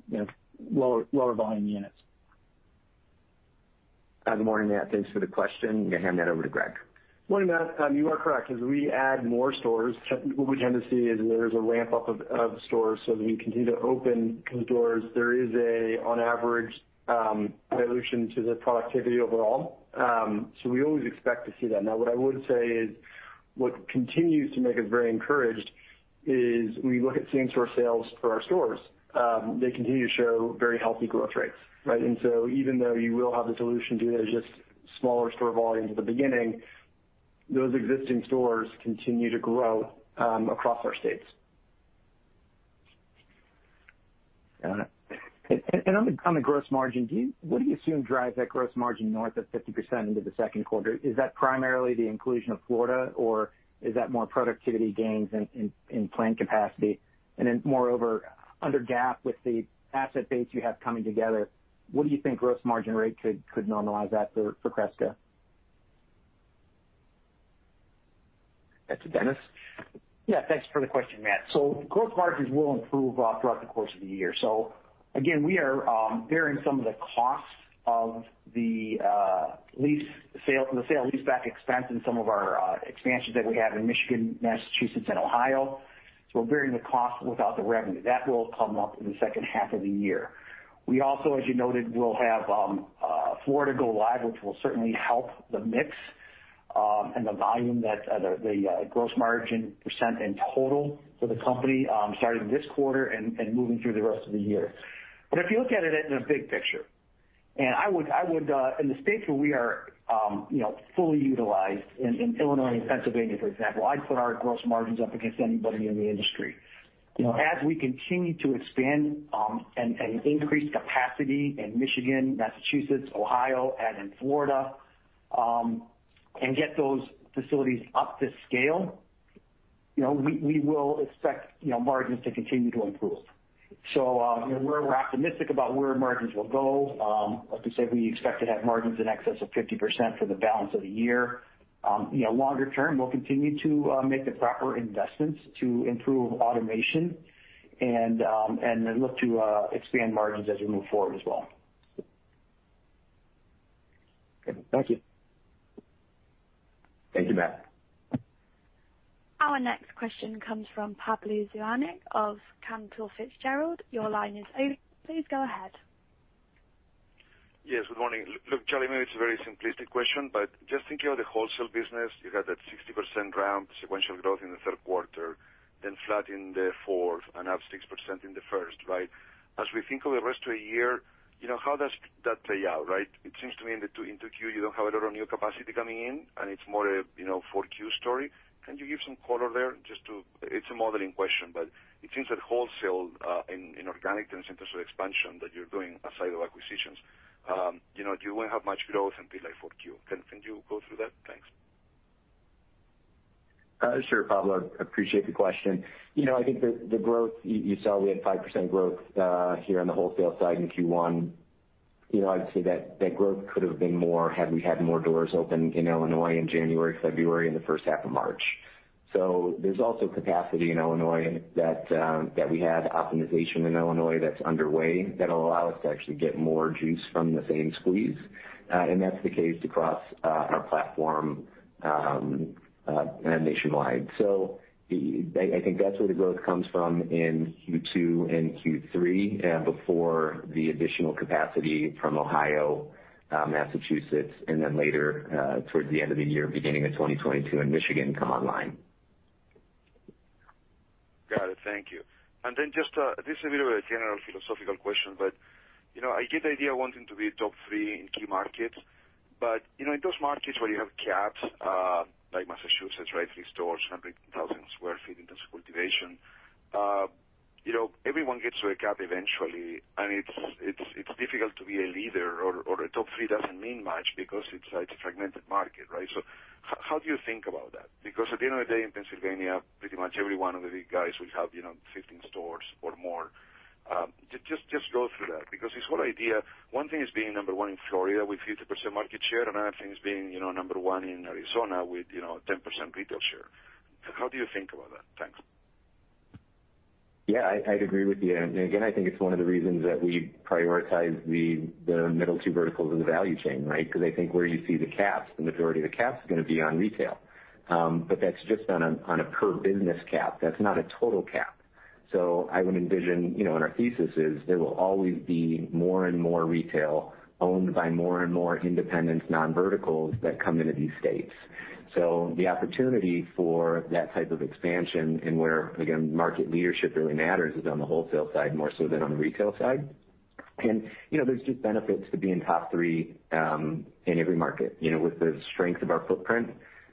you know, lower volume units? Good morning, Matt. Thanks for the question. I'm gonna hand that over to Greg. Morning, Matt. You are correct. As we add more stores, what we tend to see is there's a ramp up of stores. So as we continue to open doors, there is, on average, dilution to the productivity overall. So we always expect to see that. Now, what I would say is, what continues to make us very encouraged is when you look at same store sales for our stores, they continue to show very healthy growth rates, right? And so even though you will have the dilution due to just smaller store volumes at the beginning, those existing stores continue to grow, across our states. Got it. And on the gross margin, do you... What do you assume drives that gross margin north of 50% into the second quarter? Is that primarily the inclusion of Florida, or is that more productivity gains in plant capacity? And then, moreover, under GAAP, with the asset base you have coming together, what do you think gross margin rate could normalize at for Cresco? That's to Dennis. Yeah, thanks for the question, Matt. So gross margins will improve throughout the course of the year. So again, we are bearing some of the costs of the sale-leaseback expense in some of our expansions that we have in Michigan, Massachusetts and Ohio. So we're bearing the cost without the revenue. That will come up in the second half of the year. We also, as you noted, will have Florida go live, which will certainly help the mix and the volume that the gross margin percent in total for the company starting this quarter and moving through the rest of the year. But if you look at it in a big picture, and I would in the states where we are, you know, fully utilized in Illinois and Pennsylvania, for example, I'd put our gross margins up against anybody in the industry. You know, as we continue to expand, and increase capacity in Michigan, Massachusetts, Ohio, and in Florida, and get those facilities up to scale, you know, we will expect, you know, margins to continue to improve. So, you know, we're optimistic about where margins will go. Like we said, we expect to have margins in excess of 50% for the balance of the year. You know, longer term, we'll continue to make the proper investments to improve automation and then look to expand margins as we move forward as well. Thank you. Thank you, Matt. Our next question comes from Pablo Zuanic of Cantor Fitzgerald. Your line is open. Please go ahead. Yes, good morning. Look, Charlie, maybe it's a very simplistic question, but just thinking of the wholesale business, you had that 60% ramp sequential growth in the third quarter, then flat in the fourth and up 6% in the first, right? As we think of the rest of the year, you know, how does that play out, right? It seems to me in 2Q, you don't have a lot of new capacity coming in, and it's more you know, 4Q story. Can you give some color there just to... It's a modeling question, but it seems that wholesale, in organic terms, in terms of expansion, that you're doing outside of acquisitions, you know, you won't have much growth until, like, 4Q. Can you go through that? Thanks. Sure, Pablo, appreciate the question. You know, I think the growth you saw, we had 5% growth here on the wholesale side in Q1. You know, I'd say that growth could have been more had we had more doors open in Illinois in January, February, and the first half of March. So there's also capacity in Illinois that we have optimization in Illinois that's underway, that'll allow us to actually get more juice from the same squeeze. And that's the case across our platform nationwide. So I think that's where the growth comes from in Q2 and Q3 before the additional capacity from Ohio, Massachusetts, and then later towards the end of the year, beginning of 2022, and Michigan come online. Got it. Thank you. And then just, this is a bit of a general philosophical question, but, you know, I get the idea of wanting to be a top three in key markets. But, you know, in those markets where you have caps, like Massachusetts, right, three stores, 100,000 sq ft in terms of cultivation. You know, everyone gets to a cap eventually, and it's difficult to be a leader or a top three doesn't mean much because it's like a fragmented market, right? So how do you think about that? Because at the end of the day, in Pennsylvania, pretty much every one of the big guys will have, you know, 15 stores or more. Just go through that because this whole idea, one thing is being number one in Florida with 50% market share, another thing is being, you know, number one in Arizona with, you know, 10% retail share. How do you think about that? Thanks. Yeah, I, I'd agree with you. And again, I think it's one of the reasons that we prioritize the middle two verticals of the value chain, right? Because I think where you see the caps, the majority of the caps is gonna be on retail. But that's just on a per business cap. That's not a total cap. So I would envision, you know, and our thesis is there will always be more and more retail owned by more and more independent non-verticals that come into these states. So the opportunity for that type of expansion and where, again, market leadership really matters, is on the wholesale side more so than on the retail side, and you know, there's just benefits to being top three in every market. You know, with the strength of our footprint,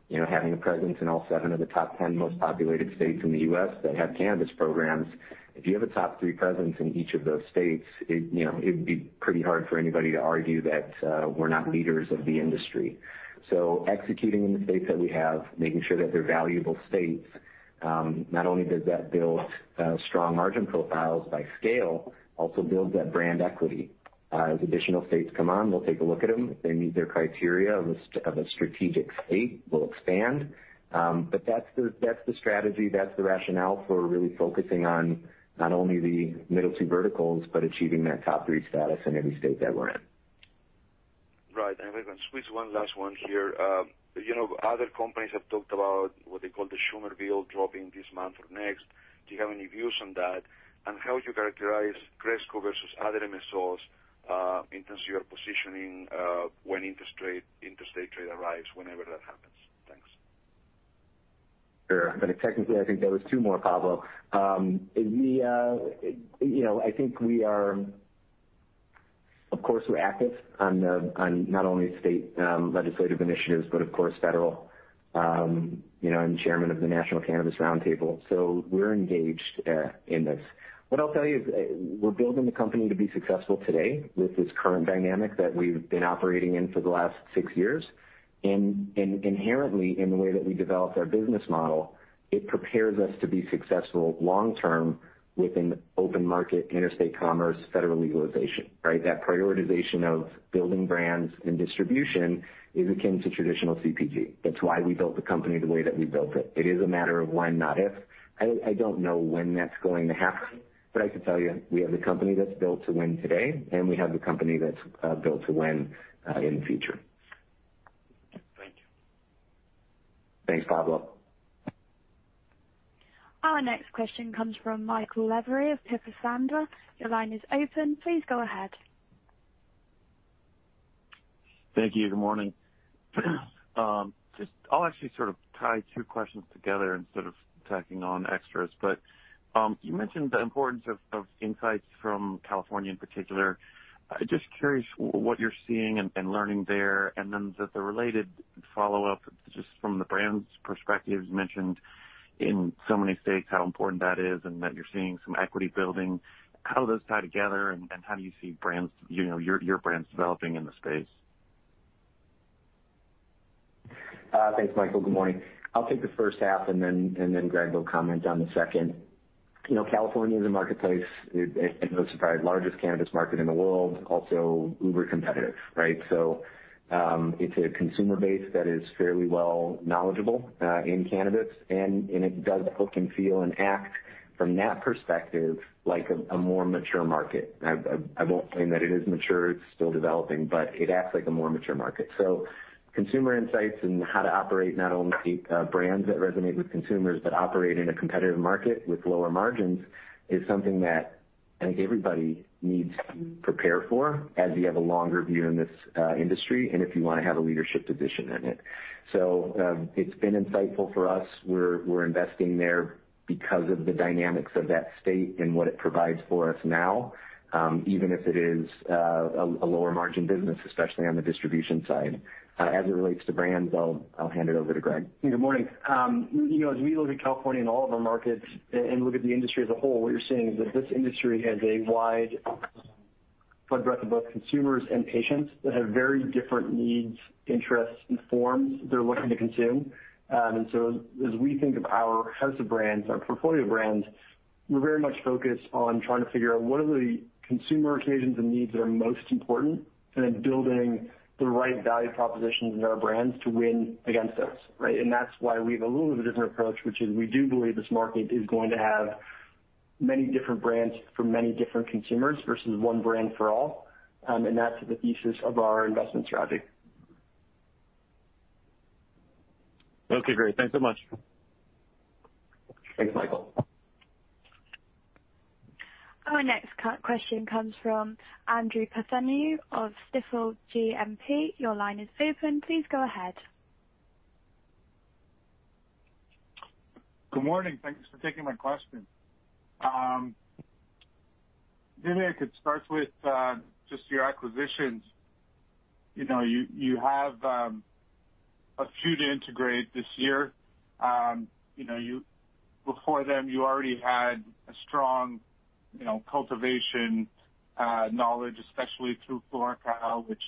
you know, having a presence in all seven of the top ten most populated states in the U.S. that have cannabis programs, if you have a top three presence in each of those states, you know, it would be pretty hard for anybody to argue that we're not leaders of the industry. So executing in the states that we have, making sure that they're valuable states, not only does that build strong margin profiles by scale, also builds that brand equity. As additional states come on, we'll take a look at them. If they meet their criteria of a strategic state, we'll expand. But that's the strategy, that's the rationale for really focusing on not only the middle two verticals, but achieving that top three status in every state that we're in. Right. And we're going to squeeze one last one here. You know, other companies have talked about what they call the Schumer Bill dropping this month or next. Do you have any views on that? And how would you characterize Cresco versus other MSOs, in terms of your positioning, when interstate trade arrives, whenever that happens? Thanks. Sure. But technically, I think that was two more, Pablo. We, you know, I think we are, of course, we're active on the, on not only state, legislative initiatives, but of course, federal. You know, I'm chairman of the National Cannabis Roundtable, so we're engaged, in this. What I'll tell you is we're building the company to be successful today with this current dynamic that we've been operating in for the last six years. And inherently, in the way that we develop our business model, it prepares us to be successful long term with an open market, interstate commerce, federal legalization, right? That prioritization of building brands and distribution is akin to traditional CPG. That's why we built the company the way that we built it. It is a matter of when, not if. I don't know when that's going to happen, but I can tell you, we have a company that's built to win today, and we have a company that's built to win in the future. Thank you. Thanks, Pablo. Our next question comes from Michael Lavery of Piper Sandler. Your line is open. Please go ahead. Thank you. Good morning. Just I'll actually sort of tie two questions together instead of tacking on extras. But, you mentioned the importance of insights from California in particular. I'm just curious what you're seeing and learning there. And then the related follow-up, just from the brand's perspective, you mentioned in so many states how important that is and that you're seeing some equity building. How do those tie together, and how do you see brands, you know, your brands developing in the space? Thanks, Michael. Good morning. I'll take the first half, and then Greg will comment on the second. You know, California is a marketplace, it no surprise, largest cannabis market in the world, also uber competitive, right? So, it's a consumer base that is fairly well knowledgeable in cannabis, and it does look and feel and act from that perspective like a more mature market. I won't claim that it is mature, it's still developing, but it acts like a more mature market. So consumer insights and how to operate not only brands that resonate with consumers, but operate in a competitive market with lower margins, is something that I think everybody needs to prepare for as you have a longer view in this industry and if you want to have a leadership position in it. So, it's been insightful for us. We're investing there because of the dynamics of that state and what it provides for us now, even if it is a lower margin business, especially on the distribution side. As it relates to brands, I'll hand it over to Greg. Good morning. You know, as we look at California and all of our markets and look at the industry as a whole, what you're seeing is that this industry has a wide breadth of both consumers and patients that have very different needs, interests, and forms they're looking to consume, and so as we think of our house of brands, our portfolio of brands, we're very much focused on trying to figure out what are the consumer occasions and needs that are most important, and then building the right value propositions in our brands to win against those, right? And that's why we have a little bit of a different approach, which is we do believe this market is going to have many different brands for many different consumers versus one brand for all, and that's the thesis of our investment strategy. Okay, great. Thanks so much. Thanks, Michael. Our next question comes from Andrew Partheniou of Stifel GMP. Your line is open. Please go ahead. Good morning. Thanks for taking my question. Maybe I could start with just your acquisitions. You know, you have a few to integrate this year. You know, before them, you already had a strong, you know, cultivation knowledge, especially through FloraCal, which,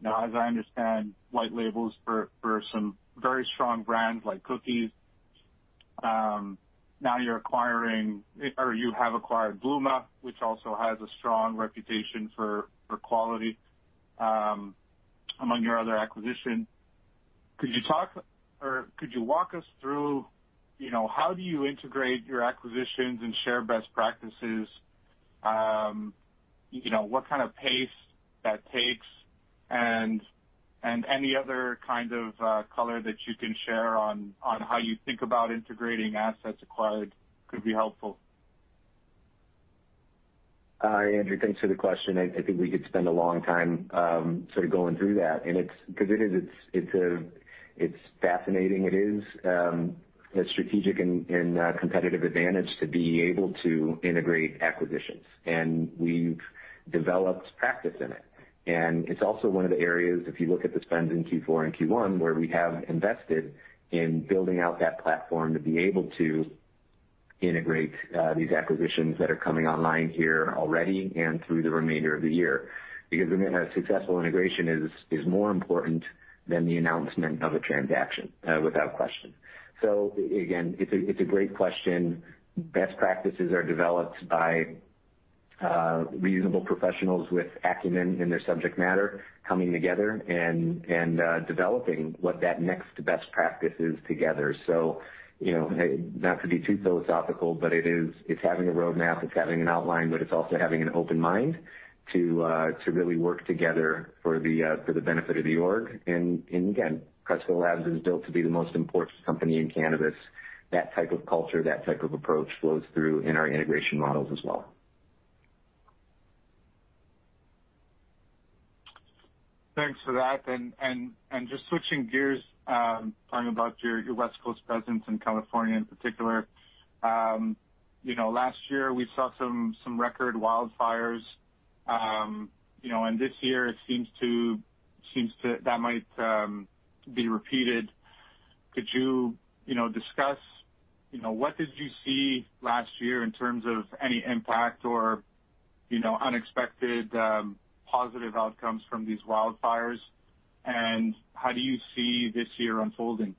you know, as I understand, white labels for some very strong brands like Cookies. Now you're acquiring or you have acquired Bluma, which also has a strong reputation for quality, among your other acquisition. Could you talk or could you walk us through, you know, how do you integrate your acquisitions and share best practices? You know, what kind of pace that takes, and any other kind of color that you can share on how you think about integrating assets acquired could be helpful. Hi, Andrew. Thanks for the question. I think we could spend a long time sort of going through that, and it's because it is fascinating. It is a strategic and competitive advantage to be able to integrate acquisitions, and we've developed practice in it. And it's also one of the areas, if you look at the spends in Q4 and Q1, where we have invested in building out that platform to be able to integrate these acquisitions that are coming online here already and through the remainder of the year. Because a successful integration is more important than the announcement of a transaction without question. So again, it's a great question. Best practices are developed by reasonable professionals with acumen in their subject matter, coming together and developing what that next best practice is together. So, you know, not to be too philosophical, but it is, it's having a roadmap, it's having an outline, but it's also having an open mind to really work together for the benefit of the org. And again, Cresco Labs is built to be the most important company in cannabis. That type of culture, that type of approach flows through in our integration models as well. Thanks for that, and just switching gears, talking about your West Coast presence in California in particular. You know, last year we saw some record wildfires. You know, and this year it seems to... That might be repeated. Could you, you know, discuss, you know, what did you see last year in terms of any impact or, you know, unexpected positive outcomes from these wildfires, and how do you see this year unfolding?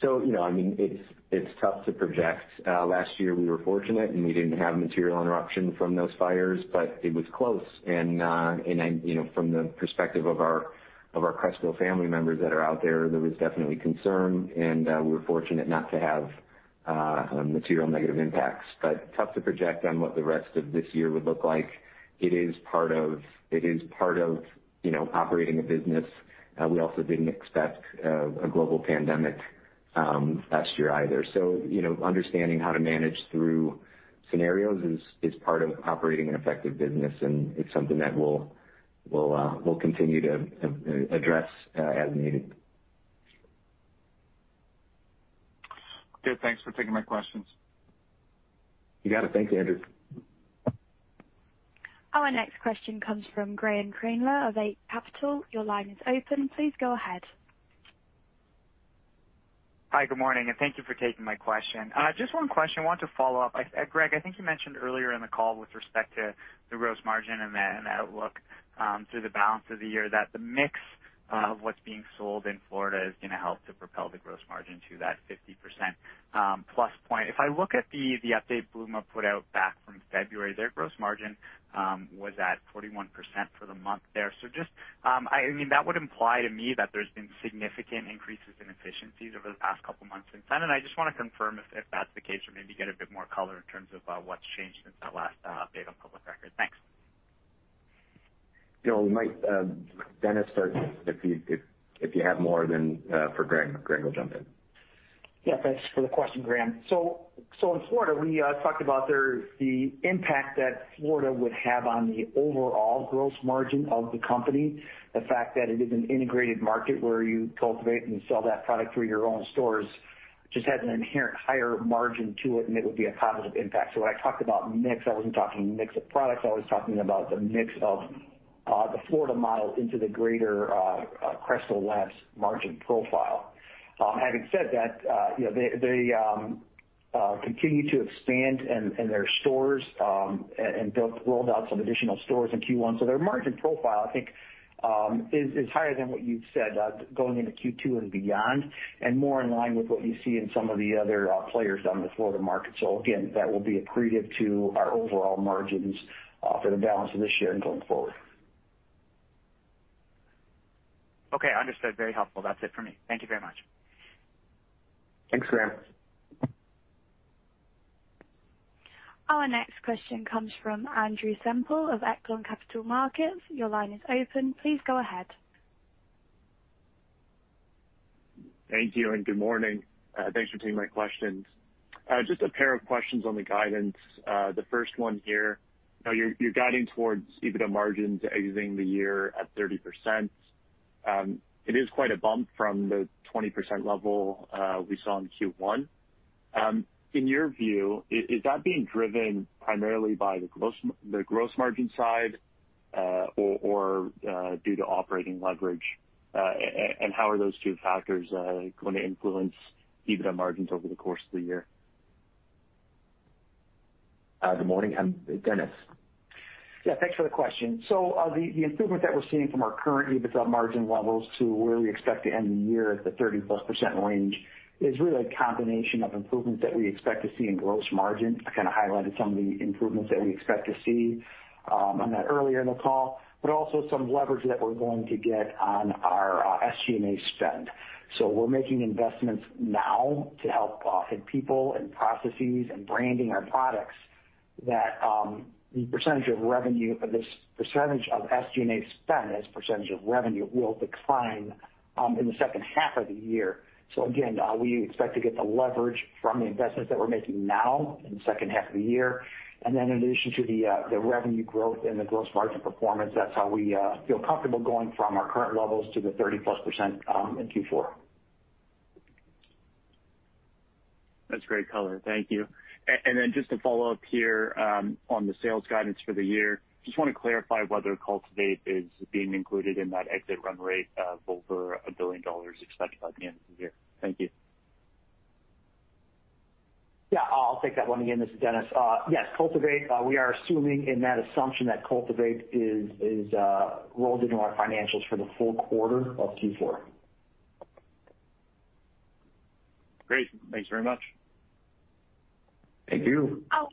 You know, I mean, it's tough to project. Last year, we were fortunate, and we didn't have material interruption from those fires, but it was close. I know, from the perspective of our Cresco family members that are out there, there was definitely concern, and we were fortunate not to have material negative impacts. Tough to project on what the rest of this year would look like. It is part of, you know, operating a business. We also didn't expect a global pandemic last year either. You know, understanding how to manage through scenarios is part of operating an effective business, and it's something that we'll continue to address as needed. Good. Thanks for taking my questions. You got it. Thank you, Andrew. Our next question comes from Graeme Kreindler of Eight Capital. Your line is open. Please go ahead. Hi, good morning, and thank you for taking my question. Just one question. I want to follow up. Greg, I think you mentioned earlier in the call with respect to the gross margin and the outlook through the balance of the year, that the mix of what's being sold in Florida is going to help to propel the gross margin to that 50% plus point. If I look at the update Bluma put out back from February, their gross margin was at 41% for the month there. So just, I... I mean, that would imply to me that there's been significant increases in efficiencies over the past couple of months since then, and I just want to confirm if that's the case or maybe get a bit more color in terms of what's changed since that last update on public record. Thanks. You know, we might, Dennis, start if you have more than for Graeme. Greg will jump in. Yeah, thanks for the question, Graeme. So in Florida, we talked about there the impact that Florida would have on the overall gross margin of the company. The fact that it is an integrated market where you cultivate and sell that product through your own stores just has an inherent higher margin to it, and it would be a positive impact. So when I talked about mix, I wasn't talking mix of products, I was talking about the mix of the Florida model into the greater Cresco Labs margin profile. Having said that, you know, they continue to expand in their stores and built rolled out some additional stores in Q1. So their margin profile, I think, is higher than what you've said, going into Q2 and beyond, and more in line with what you see in some of the other players on the Florida market. So again, that will be accretive to our overall margins, for the balance of this year and going forward. Okay, understood. Very helpful. That's it for me. Thank you very much. Thanks, Graeme. Our next question comes from Andrew Semple of Echelon Capital Markets. Your line is open. Please go ahead. Thank you and good morning. Thanks for taking my questions. Just a pair of questions on the guidance. The first one here, you know, you're guiding towards EBITDA margins ending the year at 30%. It is quite a bump from the 20% level we saw in Q1. In your view, is that being driven primarily by the gross, the gross margin side, or due to operating leverage? And how are those two factors going to influence EBITDA margins over the course of the year? Good morning, I'm Dennis. Yeah, thanks for the question. So, the improvement that we're seeing from our current EBITDA margin levels to where we expect to end the year at the 30% plus range is really a combination of improvements that we expect to see in gross margin. I kind of highlighted some of the improvements that we expect to see on that earlier in the call, but also some leverage that we're going to get on our SG&A spend. So we're making investments now to help in people and processes and branding our products that the percentage of revenue, or this percentage of SG&A spend as a percentage of revenue will decline in the second half of the year. So again, we expect to get the leverage from the investments that we're making now in the second half of the year, and then in addition to the revenue growth and the gross margin performance, that's how we feel comfortable going from our current levels to the 30% plus in Q4. That's great color. Thank you. And, and then just to follow up here, on the sales guidance for the year, just wanna clarify whether Cultivate is being included in that exit run rate of over $1 billion expected by the end of the year? Thank you. Yeah, I'll take that one again. This is Dennis. Yes, Cultivate, we are assuming in that assumption that Cultivate is rolled into our financials for the full quarter of Q4. Great. Thanks very much. Thank you. Oh,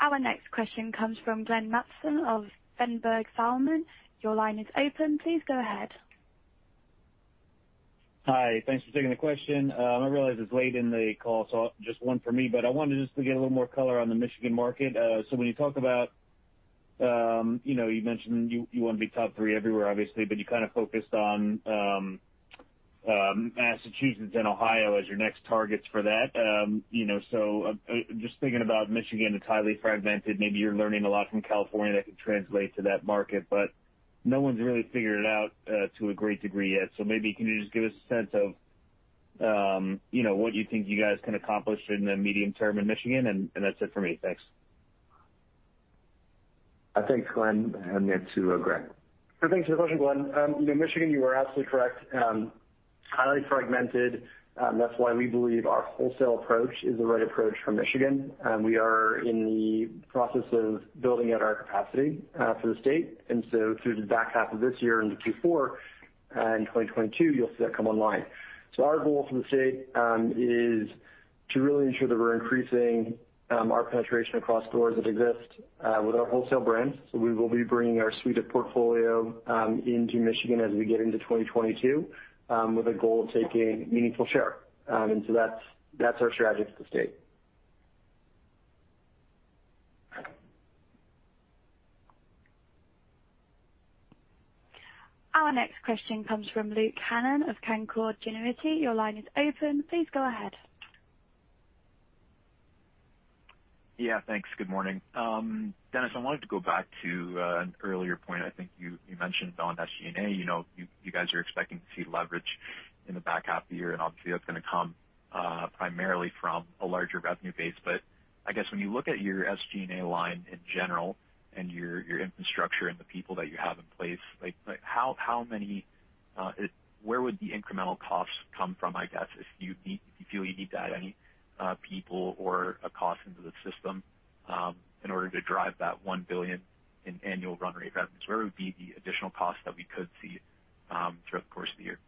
our next question comes from Glenn Mattson of Ladenburg Thalmann. Your line is open. Please go ahead. Hi, thanks for taking the question. I realize it's late in the call, so just one for me, but I wanted just to get a little more color on the Michigan market. So when you talk about, you know, you mentioned you, you wanna be top three everywhere, obviously, but you kind of focused on, Massachusetts and Ohio as your next targets for that. You know, so, just thinking about Michigan, it's highly fragmented. Maybe you're learning a lot from California that could translate to that market, but no one's really figured it out, to a great degree yet. So maybe can you just give us a sense of, you know, what you think you guys can accomplish in the medium term in Michigan? And that's it for me. Thanks. I think, Glenn, hand you to Greg. So thanks for the question, Glenn. In Michigan, you are absolutely correct, highly fragmented, that's why we believe our wholesale approach is the right approach for Michigan. We are in the process of building out our capacity, for the state, and so through the back half of this year into Q4, in 2022, you'll see that come online. So our goal for the state, is to really ensure that we're increasing, our penetration across stores that exist, with our wholesale brands. So we will be bringing our suite of portfolio, into Michigan as we get into 2022, with a goal of taking meaningful share. And so that's, that's our strategy for the state. Our next question comes from Luke Hannan of Canaccord Genuity. Your line is open. Please go ahead. Yeah, thanks. Good morning. Dennis, I wanted to go back to an earlier point. I think you mentioned on SG&A, you know, you guys are expecting to see leverage in the back half of the year, and obviously, that's gonna come primarily from a larger revenue base. But I guess when you look at your SG&A line in general and your infrastructure and the people that you have in place, like how many, where would the incremental costs come from, I guess, if you need... if you feel you need to add any people or a cost into the system, in order to drive that $1 billion in annual run rate revenues? Where would be the additional cost that we could see throughout the course of the year?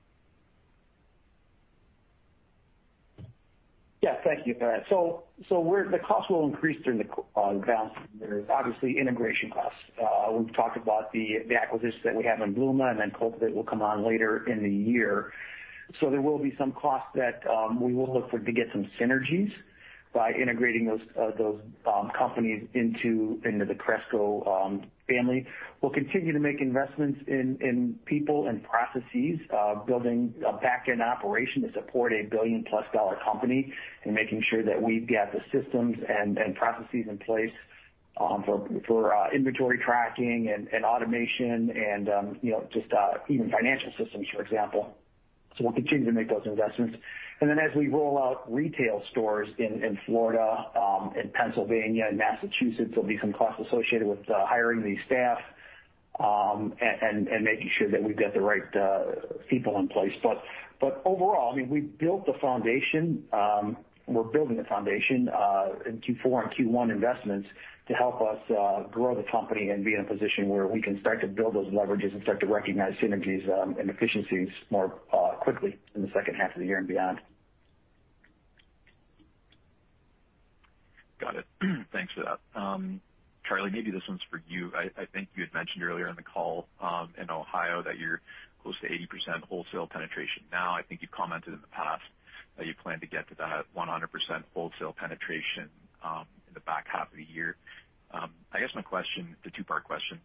Yeah, thank you for that. The cost will increase during the quarter balance. Obviously, integration costs. We've talked about the acquisitions that we have in Bluma, and then Cultivate will come on later in the year. So there will be some costs that we will look for to get some synergies by integrating those companies into the Cresco family. We'll continue to make investments in people and processes, building a back-end operation to support a billion-plus-dollar company and making sure that we've got the systems and processes in place for inventory tracking and automation and, you know, just even financial systems, for example. So we'll continue to make those investments. And then as we roll out retail stores in Florida, in Pennsylvania, and Massachusetts, there'll be some costs associated with hiring the staff and making sure that we've got the right people in place. But overall, I mean, we've built the foundation, we're building the foundation in Q4 and Q1 investments to help us grow the company and be in a position where we can start to build those leverages and start to recognize synergies and efficiencies more quickly in the second half of the year and beyond. Got it. Thanks for that. Charlie, maybe this one's for you. I think you had mentioned earlier in the call, in Ohio, that you're close to 80% wholesale penetration now. I think you've commented in the past that you plan to get to that 100% wholesale penetration, in the back half of the year. I guess my question, it's a two-part question.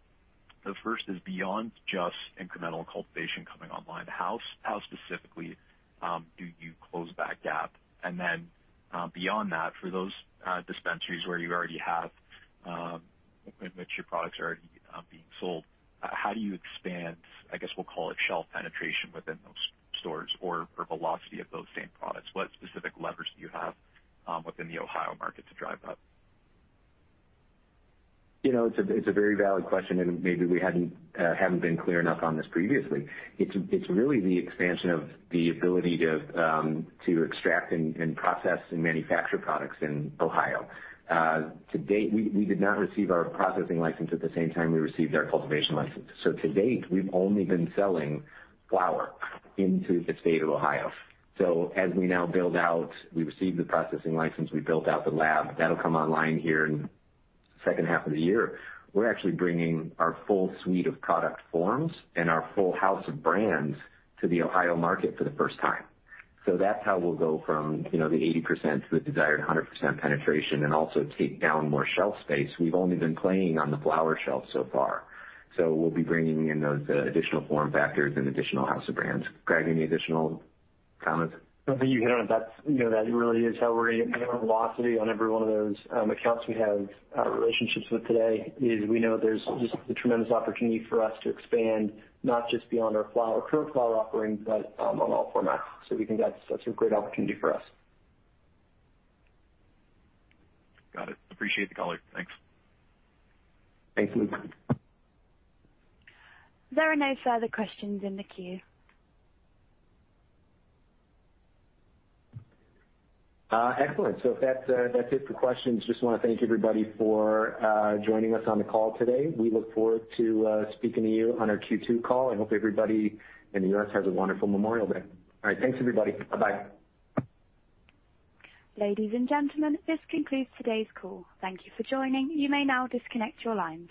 The first is, beyond just incremental cultivation coming online, how specifically do you close that gap? And then, beyond that, for those dispensaries where you already have, in which your products are already being sold, how do you expand, I guess we'll call it, shelf penetration within those stores or velocity of those same products? What specific levers do you have within the Ohio market to drive that? You know, it's a very valid question, and maybe we hadn't haven't been clear enough on this previously. It's really the expansion of the ability to extract and process and manufacture products in Ohio. To date, we did not receive our processing license at the same time we received our cultivation license. So to date, we've only been selling flower into the state of Ohio. So as we now build out, we received the processing license, we built out the lab. That'll come online here in the second half of the year. We're actually bringing our full suite of product forms and our full house of brands to the Ohio market for the first time. So that's how we'll go from, you know, the 80% to the desired 100% penetration and also take down more shelf space. We've only been playing on the flower shelf so far, so we'll be bringing in those, additional form factors and additional house of brands. Greg, any additional comments? I think you hit on it. That's, you know, that really is how we're getting velocity on every one of those accounts we have relationships with today, is we know there's just a tremendous opportunity for us to expand, not just beyond our flower current flower offerings, but on all formats. So we think that's a great opportunity for us. Got it. Appreciate the color. Thanks. Thanks, Luke. There are no further questions in the queue. Excellent. So if that's, that's it for questions, just wanna thank everybody for joining us on the call today. We look forward to speaking to you on our Q2 call. I hope everybody in the U.S. has a wonderful Memorial Day. All right, thanks, everybody. Bye-bye. Ladies and gentlemen, this concludes today's call. Thank you for joining. You may now disconnect your lines.